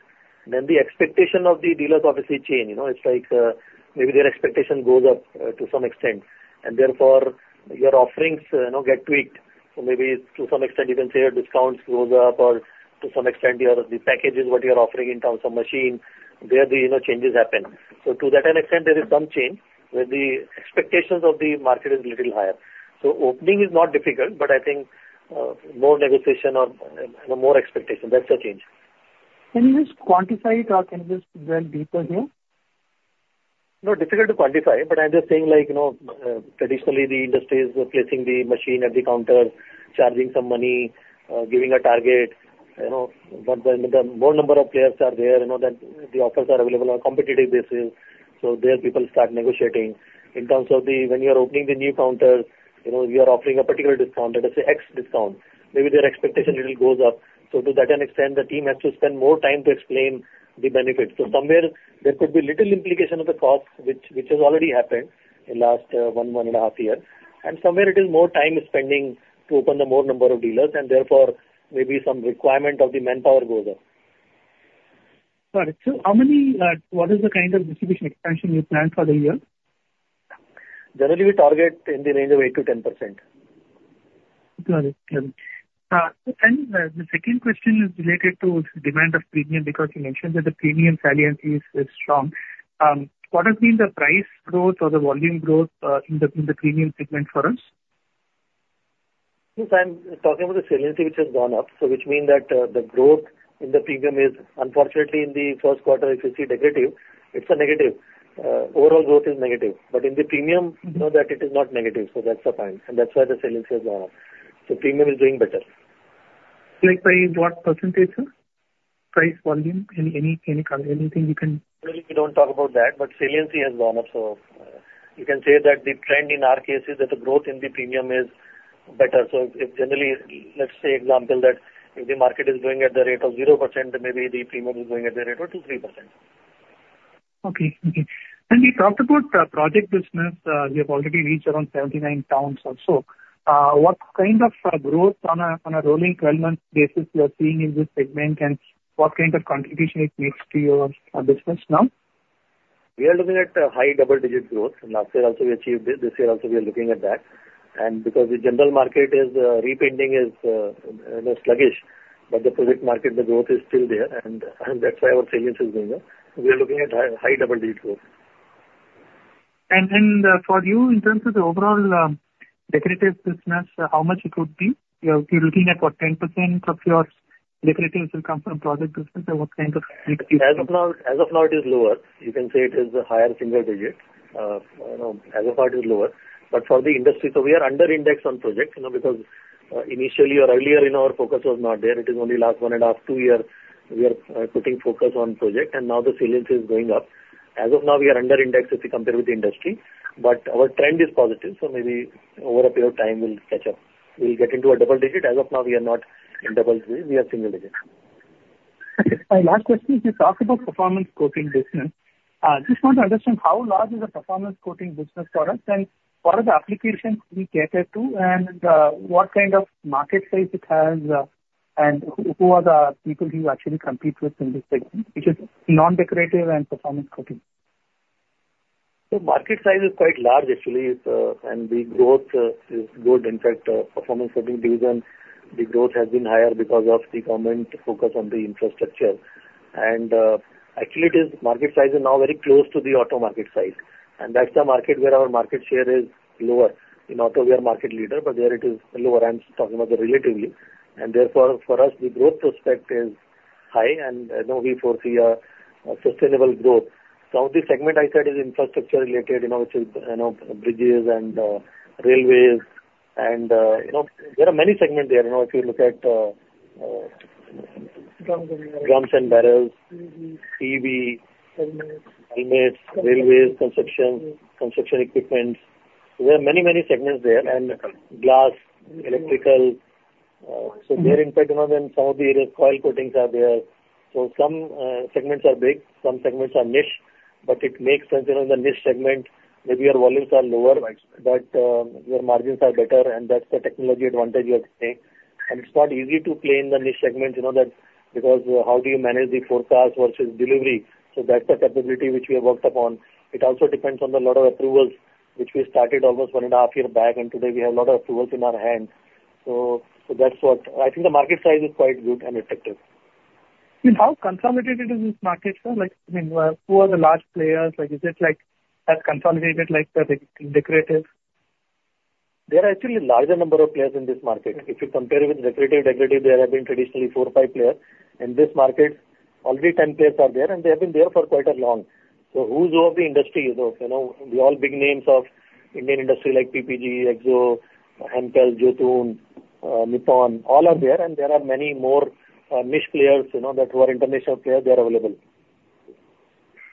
then the expectation of the dealers obviously change. You know, it's like, maybe their expectation goes up, to some extent, and therefore, your offerings, you know, get tweaked. So maybe to some extent, you can say your discounts goes up, or to some extent, your, the packages what you're offering in terms of machine, there the, you know, changes happen. So to that an extent, there is some change, where the expectations of the market is little higher. So opening is not difficult, but I think, more negotiation or, you know, more expectation, that's the change. Can you just quantify it or can you just drill deeper here? No, difficult to quantify, but I'm just saying like, you know, traditionally the industry is placing the machine at the counter, charging some money, giving a target, you know, but then the more number of players are there, you know, then the offers are available on competitive basis, so there people start negotiating. When you are opening the new counters, you know, you are offering a particular discount, let us say X discount. Maybe their expectation little goes up, so to that extent, the team has to spend more time to explain the benefits. So somewhere there could be little implication of the cost, which, which has already happened in last 1.5 years. Somewhere it is more time spending to open the more number of dealers, and therefore, maybe some requirement of the manpower goes up. Got it. So how many, what is the kind of distribution expansion you plan for the year? Generally, we target in the range of 8% to 10%. Got it. Got it. And the second question is related to demand of premium, because you mentioned that the premium saliency is strong. What has been the price growth or the volume growth in the premium segment for us? Yes, I'm talking about the saliency which has gone up. So which means that, the growth in the premium is unfortunately, in the first quarter, if you see negative, it's a negative. Overall growth is negative. But in the premium, you know that it is not negative, so that's the point, and that's why the saliency is gone up. So premium is doing better. Like, by what percentage, sir? Price, volume, any, any, any, anything you can- We don't talk about that, but saliency has gone up. So, you can say that the trend in our case is that the growth in the premium is better. So if generally, let's say example, that if the market is growing at the rate of 0%, then maybe the premium is growing at the rate of 2% to 3%. Okay. Okay. And you talked about project business. You have already reached around 79 towns or so. What kind of growth on a rolling-12-month basis you are seeing in this segment, and what kind of contribution it makes to your business now? We are looking at a high-double-digit growth. Last year also we achieved it, this year also we are looking at that. And because the general market is, repainting is, you know, sluggish, but the project market, the growth is still there, and that's why our saliency is going up. We are looking at high, high double-digit growth. For you, in terms of the overall decorative business, how much it would be? You are, you're looking at what, 10% of your decorative will come from project business, or what kind of? As of now, as of now, it is lower. You can say it is higher-single-digit. You know, as of now it is lower. But for the industry, so we are under-index on project, you know, because initially or earlier in our focus was not there. It is only last 1.5 to two years, we are putting focus on project, and now the saliency is going up. As of now, we are under-index if you compare with the industry, but our trend is positive, so maybe over a period of time we'll catch up. We'll get into a double digit. As of now, we are not in double digit, we are single digit. My last question, you talked about performance coating business. Just want to understand how large is the performance coating business for us, and what are the applications we cater to, and, what kind of market size it has, and who are the people you actually compete with in this segment, which is non-decorative and performance coating? The market size is quite large actually, and the growth is good. In fact, performance coating division, the growth has been higher because of the government focus on the infrastructure. And actually it is, market size is now very close to the auto market size, and that's the market where our market share is lower. In auto, we are market leader, but there it is lower. I'm talking about the relatively. And therefore, for us, the growth prospect is high and we foresee a sustainable growth. So the segment I said is infrastructure related, you know, which is, you know, bridges and railways, and you know, there are many segment there. You know, if you look at- Drums and barrels. Drums and barrels. TV. TV. Helmets. Helmets, railways, construction, construction equipment. There are many, many segments there, and glass, electrical, so there in fact, you know, then some of the coil coatings are there. So some segments are big, some segments are niche, but it makes sense, you know, in the niche segment, maybe your volumes are lower- Right. But your margins are better, and that's the technology advantage you are getting. And it's not easy to play in the niche segment, you know, that because how do you manage the forecast versus delivery? So that's the capability which we have worked upon. It also depends on a lot of approvals, which we started almost 1.5 years back, and today we have a lot of approvals in our hand. So, so that's what... I think the market size is quite good and effective. How consolidated is this market, sir? Like, I mean, who are the large players? Like, is it like, as consolidated like the decorative? There are actually larger number of players in this market. If you compare with decorative, there have been traditionally four or five players. In this market, already 10 players are there, and they have been there for quite a long. So who's who of the industry, you know, all the big names of Indian industry like PPG, AkzoNobel, Hempel, Jotun, Nippon, all are there, and there are many more, niche players, you know, that who are international players, they are available.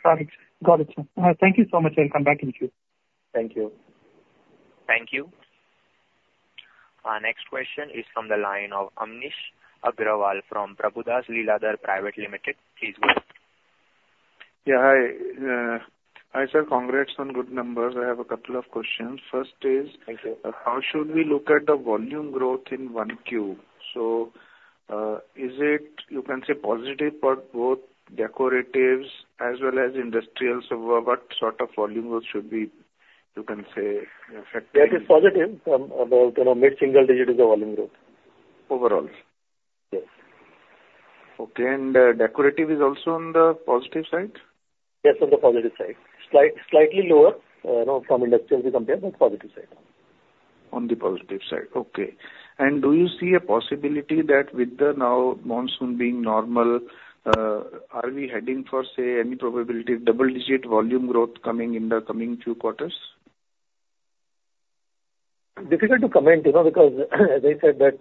Got it. Got it, sir. Thank you so much, and I'll come back to you. Thank you. Thank you. Our next question is from the line of Amnish Aggarwal from Prabhudas Lilladher Private Limited. Please go ahead.... Yeah, hi. Hi, sir, congrats on good numbers. I have a couple of questions. First is- Thank you. How should we look at the volume growth in 1Q? So, is it, you can say, positive for both decoratives as well as industrials? What sort of volume growth should we, you can say, expect? That is positive from about, you know, mid-single-digit is the volume growth. Overall? Yes. Okay, and, decorative is also on the positive side? Yes, on the positive side. Slightly lower, you know, from industrials we compare, but positive side. On the positive side, okay. Do you see a possibility that with the now monsoon being normal, are we heading for, say, any probability, double-digit volume growth coming in the coming few quarters? Difficult to comment, you know, because as I said, that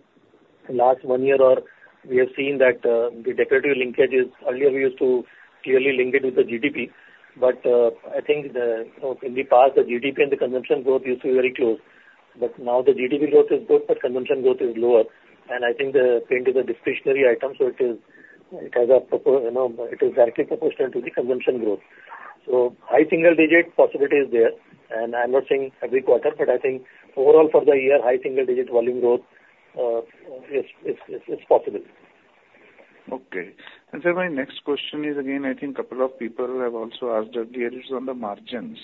last one year or we have seen that, the decorative linkage is earlier we used to clearly link it with the GDP. But, I think the, you know, in the past, the GDP and the consumption growth used to be very close. But now the GDP growth is good, but consumption growth is lower. And I think the paint is a discretionary item, so it is, it has a you know, it is directly proportional to the consumption growth. So high single digit possibility is there, and I'm not saying every quarter, but I think overall for the year, high single digit volume growth is possible. Okay. And sir, my next question is, again, I think couple of people have also asked earlier is on the margins.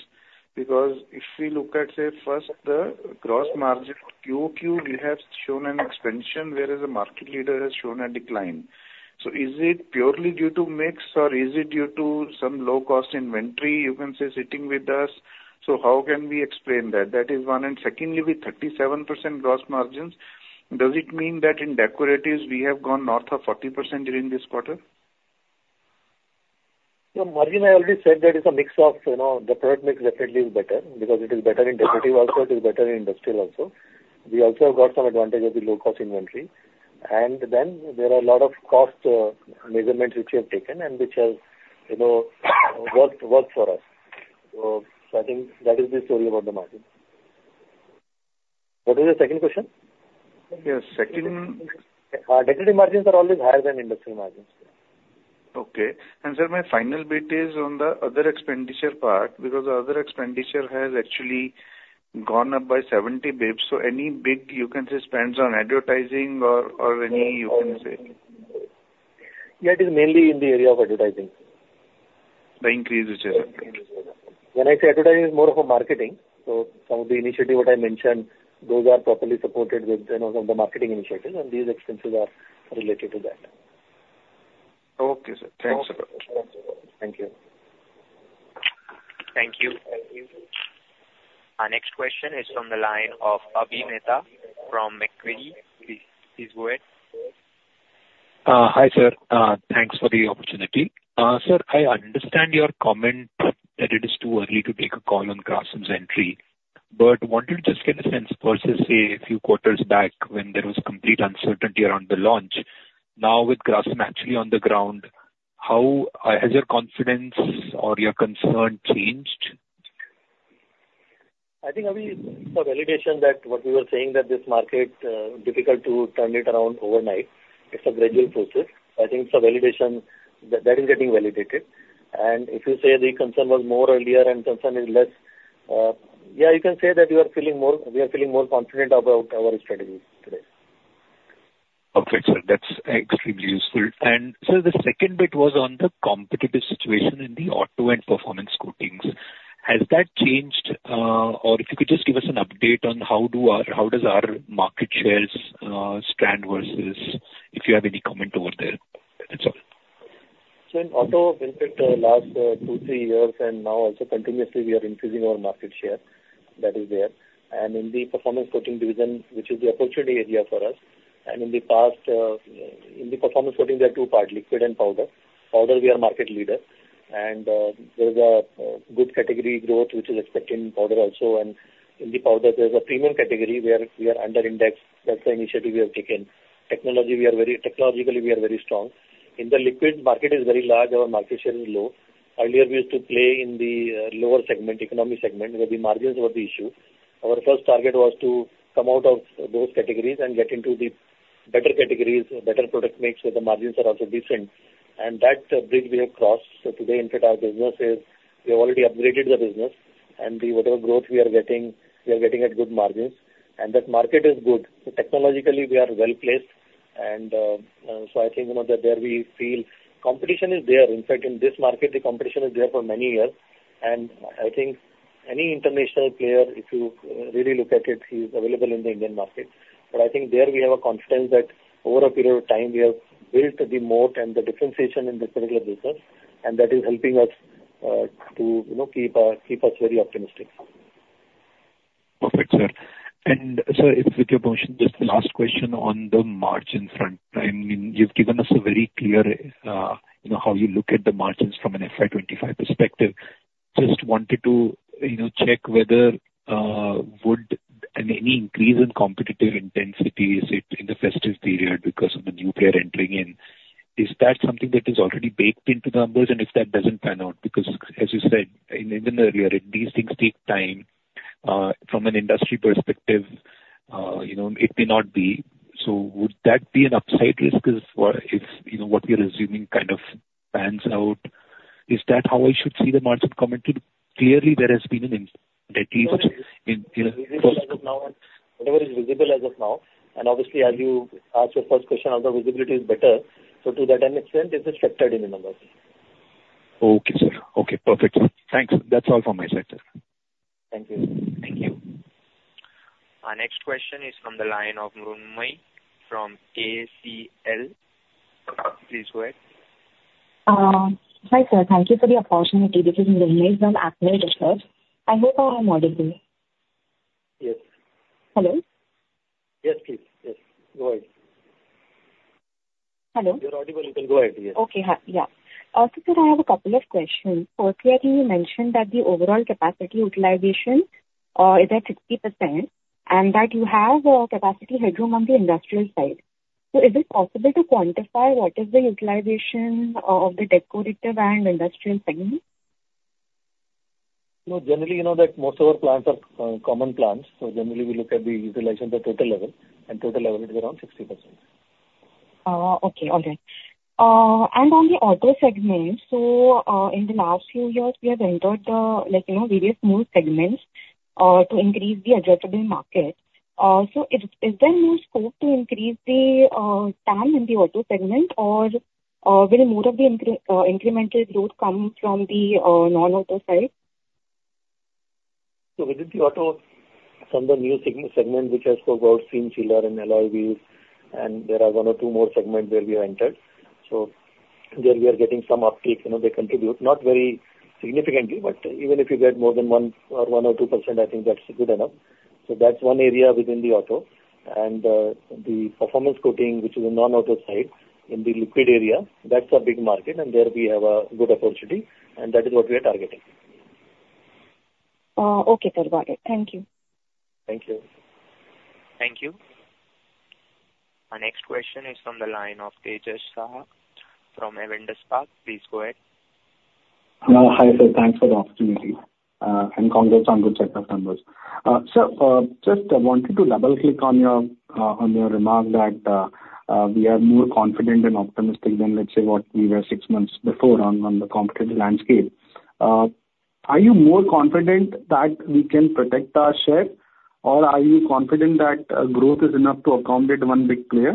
Because if we look at, say, first, the gross margin QOQ, we have shown an expansion whereas the market leader has shown a decline. So is it purely due to mix, or is it due to some low-cost inventory, you can say, sitting with us? So how can we explain that? That is one. And secondly, with 37% gross margins, does it mean that in decoratives we have gone north of 40% during this quarter? Yeah, margin, I already said that it's a mix of, you know, the product mix definitely is better because it is better in decorative also, it is better in industrial also. We also got some advantage of the low-cost inventory. And then there are a lot of cost measurements which we have taken and which has, you know, worked, worked for us. So I think that is the story about the margin. What is the second question? Yeah, second- Decorative margins are always higher than industrial margins. Okay. And, sir, my final bit is on the other expenditure part, because the other expenditure has actually gone up by 70 basis points. So any big, you can say, spends on advertising or, or any you can say? Yeah, it is mainly in the area of advertising. The increase which has... When I say advertising, it's more of a marketing. So some of the initiative what I mentioned, those are properly supported with, you know, some of the marketing initiatives, and these expenses are related to that. Okay, sir. Thanks a lot. Thank you. Thank you. Our next question is from the line of Avi Mehta from Macquarie. Please, please go ahead. Hi, sir. Thanks for the opportunity. Sir, I understand your comment that it is too early to take a call on Grasim's entry, but wanted to just get a sense versus, say, a few quarters back when there was complete uncertainty around the launch. Now, with Grasim actually on the ground, how has your confidence or your concern changed? I think, Avi, for validation that what we were saying, that this market difficult to turn it around overnight. It's a gradual process. I think for validation, that is getting validated. If you say the concern was more earlier and concern is less, yeah, you can say that you are feeling more - we are feeling more confident about our strategy today. Okay, sir. That's extremely useful. And sir, the second bit was on the competitive situation in the auto and performance coatings. Has that changed? Or if you could just give us an update on how does our market shares stand versus... If you have any comment over there? That's all. So in auto, in fact, last two, three years and now also continuously we are increasing our market share. That is there. And in the performance coating division, which is the opportunity area for us, and in the past, in the performance coating there are two parts, liquid and powder. Powder, we are market leader, and there is a good category growth, which is expected in powder also. And in the powder, there's a premium category where we are under-indexed. That's the initiative we have taken. Technology, we are very-- technologically, we are very strong. In the liquid market is very large, our market share is low. Earlier, we used to play in the lower segment, economy segment, where the margins were the issue. Our first target was to come out of those categories and get into the better categories, better product mix, where the margins are also decent. That bridge we have crossed. Today, in fact, our business is, we have already upgraded the business and the whatever growth we are getting, we are getting at good margins, and that market is good. Technologically, we are well placed. So I think, you know, that there we feel competition is there. In fact, in this market, the competition is there for many years, and I think any international player, if you really look at it, is available in the Indian market. But I think there we have a confidence that over a period of time, we have built the moat and the differentiation in this particular business, and that is helping us to, you know, keep us very optimistic. Perfect, sir. And sir, if with your permission, just the last question on the margin front. I mean, you've given us a very clear, you know, how you look at the margins from an FY2025 perspective. Just wanted to, you know, check whether, would any increase in competitive intensity, say, in the festive period because of the new player entering in, is that something that is already baked into the numbers? And if that doesn't pan out, because as you said, in even earlier, these things take time, from an industry perspective... you know, it may not be. So would that be an upside risk as well, if, you know, what we are assuming kind of pans out? Is that how I should see the margin coming to? Clearly, there has been an in- Whatever is visible as of now, and obviously, as you asked your first question, although visibility is better, so to that an extent, this is factored in the numbers. Okay, sir. Okay, perfect. Thanks. That's all from my side, sir. Thank you. Thank you. Our next question is from the line of Nurumi from ACL. Please go ahead. Hi, sir. Thank you for the opportunity. This is Nurumi from ACL, sir. I hope I am audible. Yes. Hello? Yes, please. Yes, go ahead. Hello? You're audible. You can go ahead, yes. Okay. Hi, yeah. Also, sir, I have a couple of questions. Firstly, you mentioned that the overall capacity utilization is at 60%, and that you have a capacity headroom on the industrial side. So is it possible to quantify what is the utilization of the decorative and industrial segment? No, generally, you know that most of our plants are common plants, so generally, we look at the utilization at total level, and total level it is around 60%. Okay. All right. And on the auto segment, so in the last few years, we have entered, like, you know, various new segments to increase the addressable market. So is there more scope to increase the TAM in the auto segment or will more of the incremental growth come from the non-auto side? So within the auto, from the new segment, segment which has four-wheeler sealer and alloy wheels, and there are one or two more segments where we have entered. So there we are getting some uptake. You know, they contribute, not very significantly, but even if you get more than 1% or 2%, I think that's good enough. So that's one area within the auto. And, the performance coating, which is a non-auto side in the liquid area, that's a big market and there we have a good opportunity, and that is what we are targeting. Okay, sir. Got it. Thank you. Thank you. Thank you. Our next question is from the line of Tejas Shah from Avendus Spark. Please go ahead. Hi, sir. Thanks for the opportunity, and congrats on good set of numbers. Sir, just wanted to double-click on your remark that we are more confident and optimistic than, let's say, what we were six months before on the competitive landscape. Are you more confident that we can protect our share, or are you confident that growth is enough to accommodate one big player?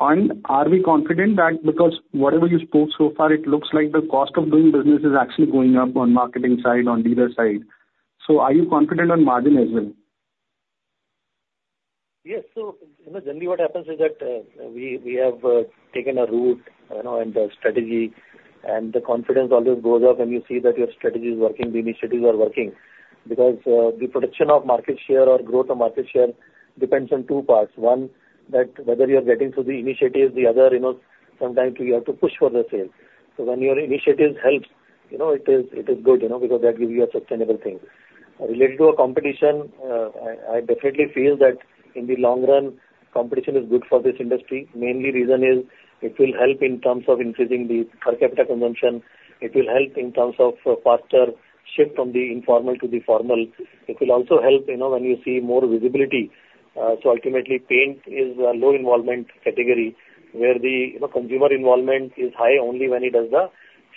And are we confident that, because whatever you spoke so far, it looks like the cost of doing business is actually going up on marketing side, on dealer side. So are you confident on margin as well? Yes. So, you know, generally what happens is that we have taken a route, you know, and a strategy, and the confidence always goes up when you see that your strategy is working, the initiatives are working. Because the protection of market share or growth of market share depends on two parts. One, that whether you are getting through the initiatives, the other, you know, sometimes you have to push for the sales. So when your initiatives helps, you know, it is good, you know, because that gives you a sustainable thing. Related to our competition, I definitely feel that in the long run, competition is good for this industry. Mainly reason is it will help in terms of increasing the per capita consumption. It will help in terms of faster shift from the informal to the formal. It will also help, you know, when you see more visibility. So ultimately, paint is a low involvement category, where the, you know, consumer involvement is high only when he does the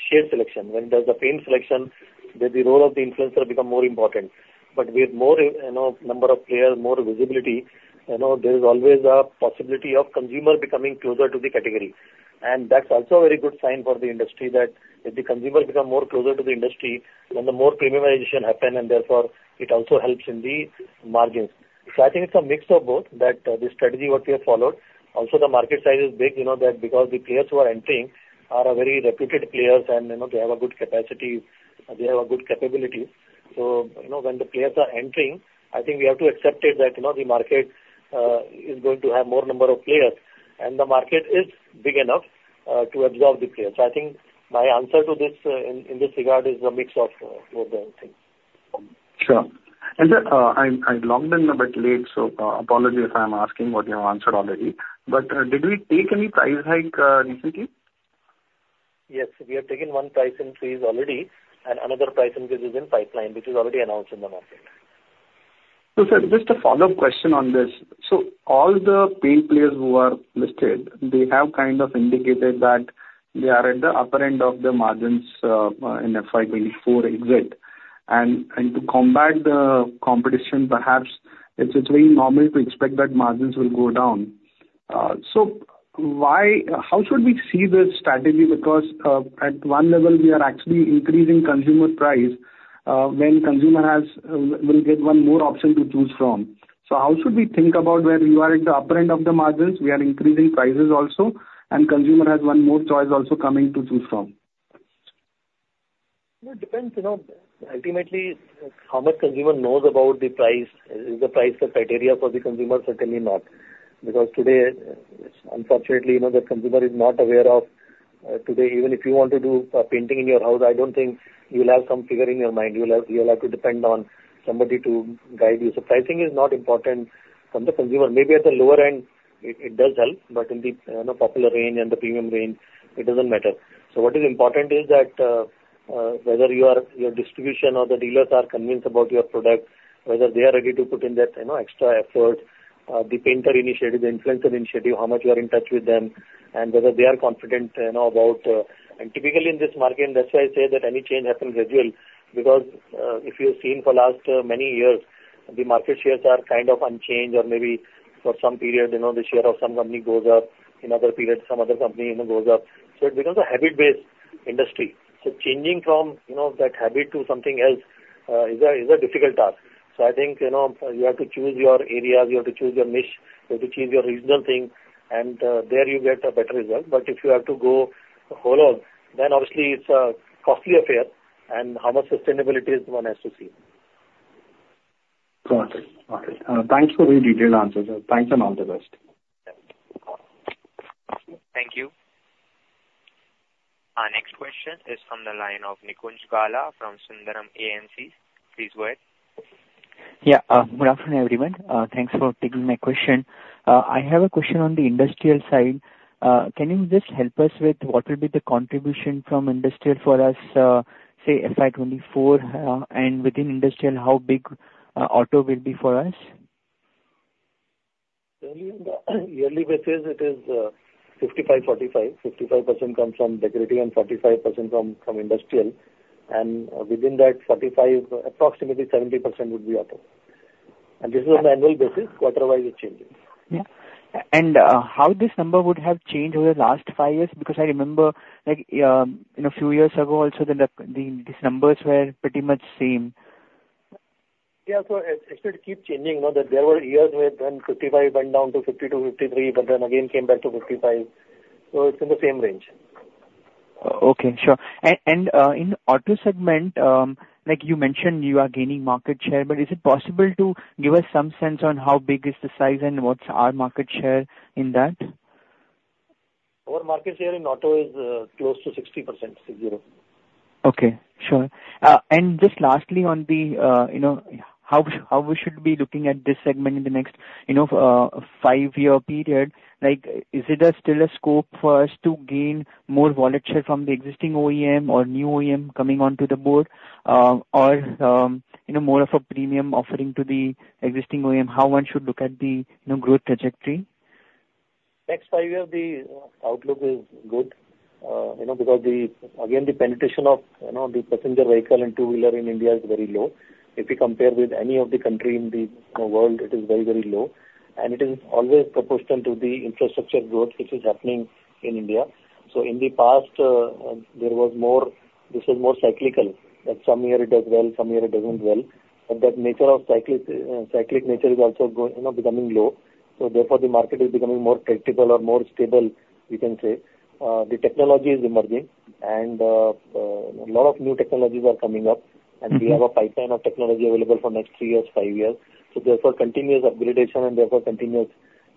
shade selection. When he does the paint selection, then the role of the influencer become more important. But with more, you know, number of players, more visibility, you know, there is always a possibility of consumer becoming closer to the category. And that's also a very good sign for the industry, that if the consumer become more closer to the industry, then the more premiumization happen, and therefore it also helps in the margins. So I think it's a mix of both. That, the strategy, what we have followed, also the market size is big, you know, that because the players who are entering are a very reputed players, and, you know, they have a good capacity, they have a good capability. So, you know, when the players are entering, I think we have to accept it that, you know, the market, is going to have more number of players, and the market is big enough, to absorb the players. So I think my answer to this, in this regard, is a mix of, both the things. Sure. I logged in a bit late, so apologies if I'm asking what you have answered already. Did we take any price hike recently? Yes, we have taken one price increase already, and another price increase is in pipeline, which is already announced in the market. So, sir, just a follow-up question on this. So all the paint players who are listed, they have kind of indicated that they are at the upper end of the margins in FY2024 exit. And to combat the competition, perhaps it's very normal to expect that margins will go down. So why... How should we see this strategy? Because at one level, we are actually increasing consumer price when consumer has will get one more option to choose from. So how should we think about where you are in the upper end of the margins, we are increasing prices also, and consumer has one more choice also coming to choose from? It depends, you know, ultimately, how much consumer knows about the price. Is the price the criteria for the consumer? Certainly not. Because today, unfortunately, you know, the consumer is not aware of today, even if you want to do a painting in your house, I don't think you will have some figure in your mind. You will have, you will have to depend on somebody to guide you. So pricing is not important from the consumer. Maybe at the lower end. It does help, but in the, you know, popular range and the premium range, it doesn't matter. So what is important is that, whether your, your distribution or the dealers are convinced about your product, whether they are ready to put in that, you know, extra effort, the painter initiative, the influencer initiative, how much you are in touch with them, and whether they are confident, you know, about... Typically in this market, that's why I say that any change happens gradual because, if you've seen for last, many years, the market shares are kind of unchanged or maybe for some period, you know, the share of some company goes up. In other periods, some other company, you know, goes up. So it becomes a habit-based industry. So changing from, you know, that habit to something else, is a, is a difficult task. So I think, you know, you have to choose your areas, you have to choose your niche, you have to choose your regional thing, and there you get a better result. But if you have to go whole-hog, then obviously it's a costly affair, and how much sustainability is, one has to see. Got it. Got it. Thanks for the detailed answers, sir. Thanks, and all the best. Yeah. Bye. Thank you. Our next question is from the line of Nikunj Gala from Sundaram AMC. Please go ahead. Yeah. Good afternoon, everyone. Thanks for taking my question. I have a question on the industrial side. Can you just help us with what will be the contribution from industrial for us, say FY2024, and within industrial, how big, auto will be for us? Early in the yearly basis, it is 55/45. 55% comes from decorative, and 45% from industrial. And within that 45, approximately 70% would be auto. And this is on an annual basis. Quarter-wise, it changes. Yeah. And, how this number would have changed over the last five years? Because I remember, like, you know, a few years ago also, these numbers were pretty much same. Yeah. So it should keep changing, you know, that there were years where then 55 went down to 52, 53, but then again came back to 55. So it's in the same range. Okay, sure. And in auto segment, like you mentioned, you are gaining market share, but is it possible to give us some sense on how big is the size and what's our market share in that? Our market share in auto is close to 60%, 60. Okay. Sure. And just lastly, on the, you know, how we should be looking at this segment in the next, you know, five-year period? Like, is it a still a scope for us to gain more volume share from the existing OEM or new OEM coming onto the board, or, you know, more of a premium offering to the existing OEM? How one should look at the, you know, growth trajectory? Next five-year, the outlook is good, you know, because. Again, the penetration of, you know, the passenger vehicle and two-wheeler in India is very low. If you compare with any of the country in the, you know, world, it is very, very low, and it is always proportional to the infrastructure growth which is happening in India. So in the past, there was more, this was more cyclical, that some year it does well, some year it doesn't well. But that nature of cyclic, cyclic nature is also, you know, becoming low. So therefore, the market is becoming more cyclical or more stable, we can say. The technology is emerging and, a lot of new technologies are coming up. Mm-hmm. We have a pipeline of technology available for next three years, five years. So therefore, continuous upgradation and therefore continuous,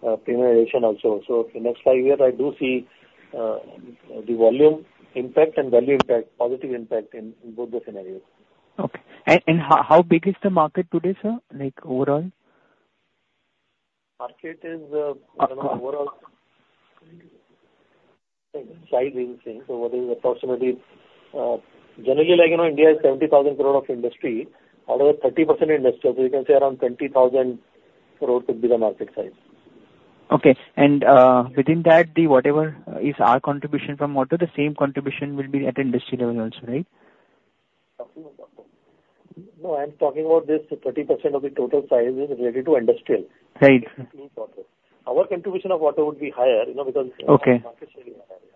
premiumization also. So in the next five years, I do see, the volume impact and value impact, positive impact in, in both the scenarios. Okay. How big is the market today, sir, like, overall? Market is, you know, overall so what is approximately, generally, like, you know, India is 70,000 crore of industry, out of that 30% industrial. So you can say around 20,000 crore could be the market size. Okay. Within that, the whatever is our contribution from auto, the same contribution will be at industry level also, right? No, I'm talking about this 30% of the total size is related to industrial. Right. Including auto. Our contribution of auto would be higher, you know, because- Okay. market share in that area.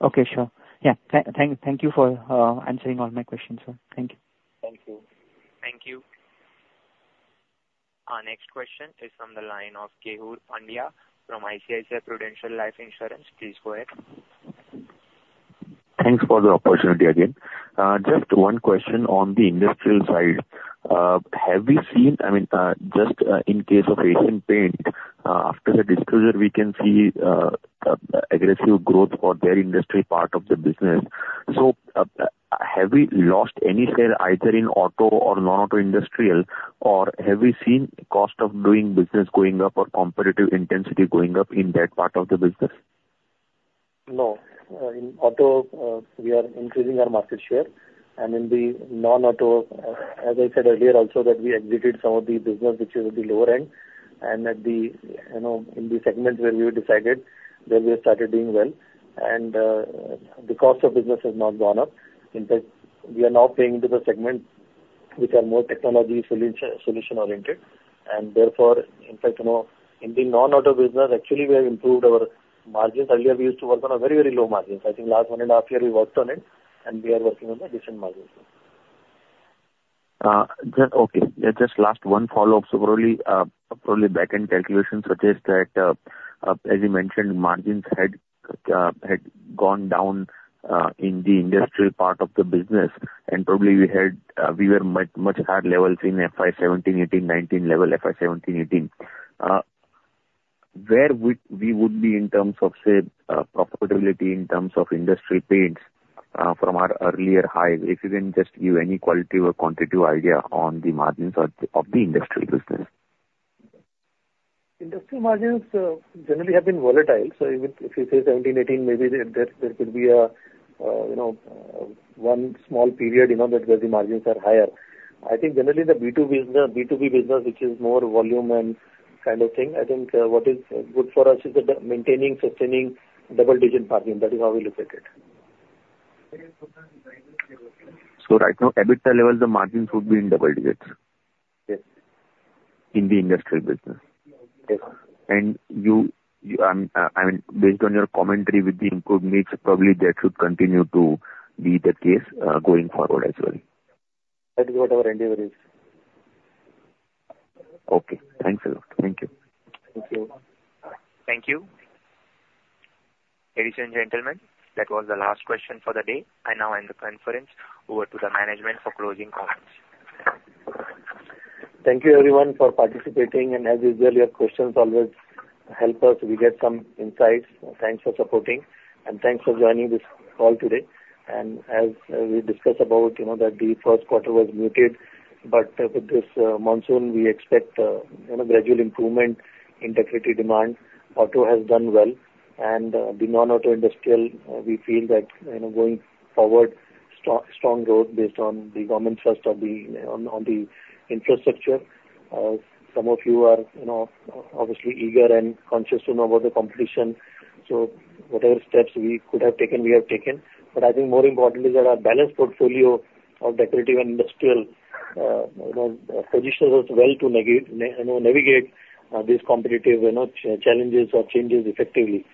Okay, sure. Yeah. Thank you for answering all my questions, sir. Thank you. Thank you. Thank you. Our next question is from the line of Keyur Pandya from ICICI Prudential Life Insurance. Please go ahead. Thanks for the opportunity again. Just one question on the industrial side. Have we seen... I mean, just, in case of Asian Paints, after the disclosure, we can see aggressive growth for their industry part of the business. So, have we lost any share, either in auto or non-auto industrial, or have we seen cost of doing business going up or competitive intensity going up in that part of the business? No. In auto, we are increasing our market share, and in the non-auto, as I said earlier also, that we exited some of the business which is at the lower end, and at the, you know, in the segments where we have decided, there we have started doing well. And, the cost of business has not gone up. In fact, we are now playing into the segment which are more technology solution-oriented, and therefore... In fact, you know, in the non-auto business, actually, we have improved our margins. Earlier, we used to work on a very, very low margins. I think last one and a half year, we worked on it, and we are working on a decent margin. Okay. Yeah, just last one follow-up. So probably, back-end calculations suggest that, as you mentioned, margins had gone down in the industrial part of the business, and probably we were much, much higher levels in FY2017, FY2018, FY2019 level, FY2017, FY2018. Where would we be in terms of, say, profitability, in terms of industrial paints? From our earlier high, if you can just give any qualitative or quantitative idea on the margins of the industrial business. Industrial margins, generally have been volatile, so even if you say 17, 18, maybe there could be a, you know, one small period, you know, that where the margins are higher. I think generally the B2B business, B2B business, which is more volume and kind of thing, I think, what is good for us is the maintaining, sustaining double-digit margin. That is how we look at it. Right now, EBITDA levels, the margins would be in double digits? Yes. In the industrial business. Yes. I mean, based on your commentary with the improved mix, probably that should continue to be the case, going forward as well. That is what our endeavor is. Okay. Thanks a lot. Thank you. Thank you. Thank you. Ladies and gentlemen, that was the last question for the day. I now end the conference. Over to the management for closing comments. Thank you, everyone, for participating, and as usual, your questions always help us. We get some insights. Thanks for supporting, and thanks for joining this call today. As we discussed about, you know, that the first quarter was muted, but with this monsoon, we expect, you know, gradual improvement in decorative demand. Auto has done well, and the non-auto industrial, we feel that, you know, going forward, strong growth based on the government thrust on the infrastructure. Some of you are, you know, obviously eager and conscious to know about the competition, so whatever steps we could have taken, we have taken. But I think more importantly is that our balanced portfolio of decorative and industrial, you know, positions us well to navigate this competitive, you know, challenges or changes effectively.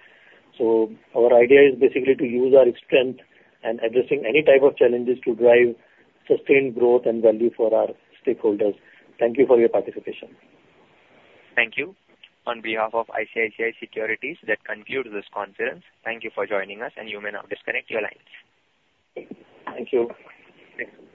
Our idea is basically to use our strength in addressing any type of challenges to drive sustained growth and value for our stakeholders. Thank you for your participation. Thank you. On behalf of ICICI Securities, that concludes this conference. Thank you for joining us, and you may now disconnect your lines. Thank you.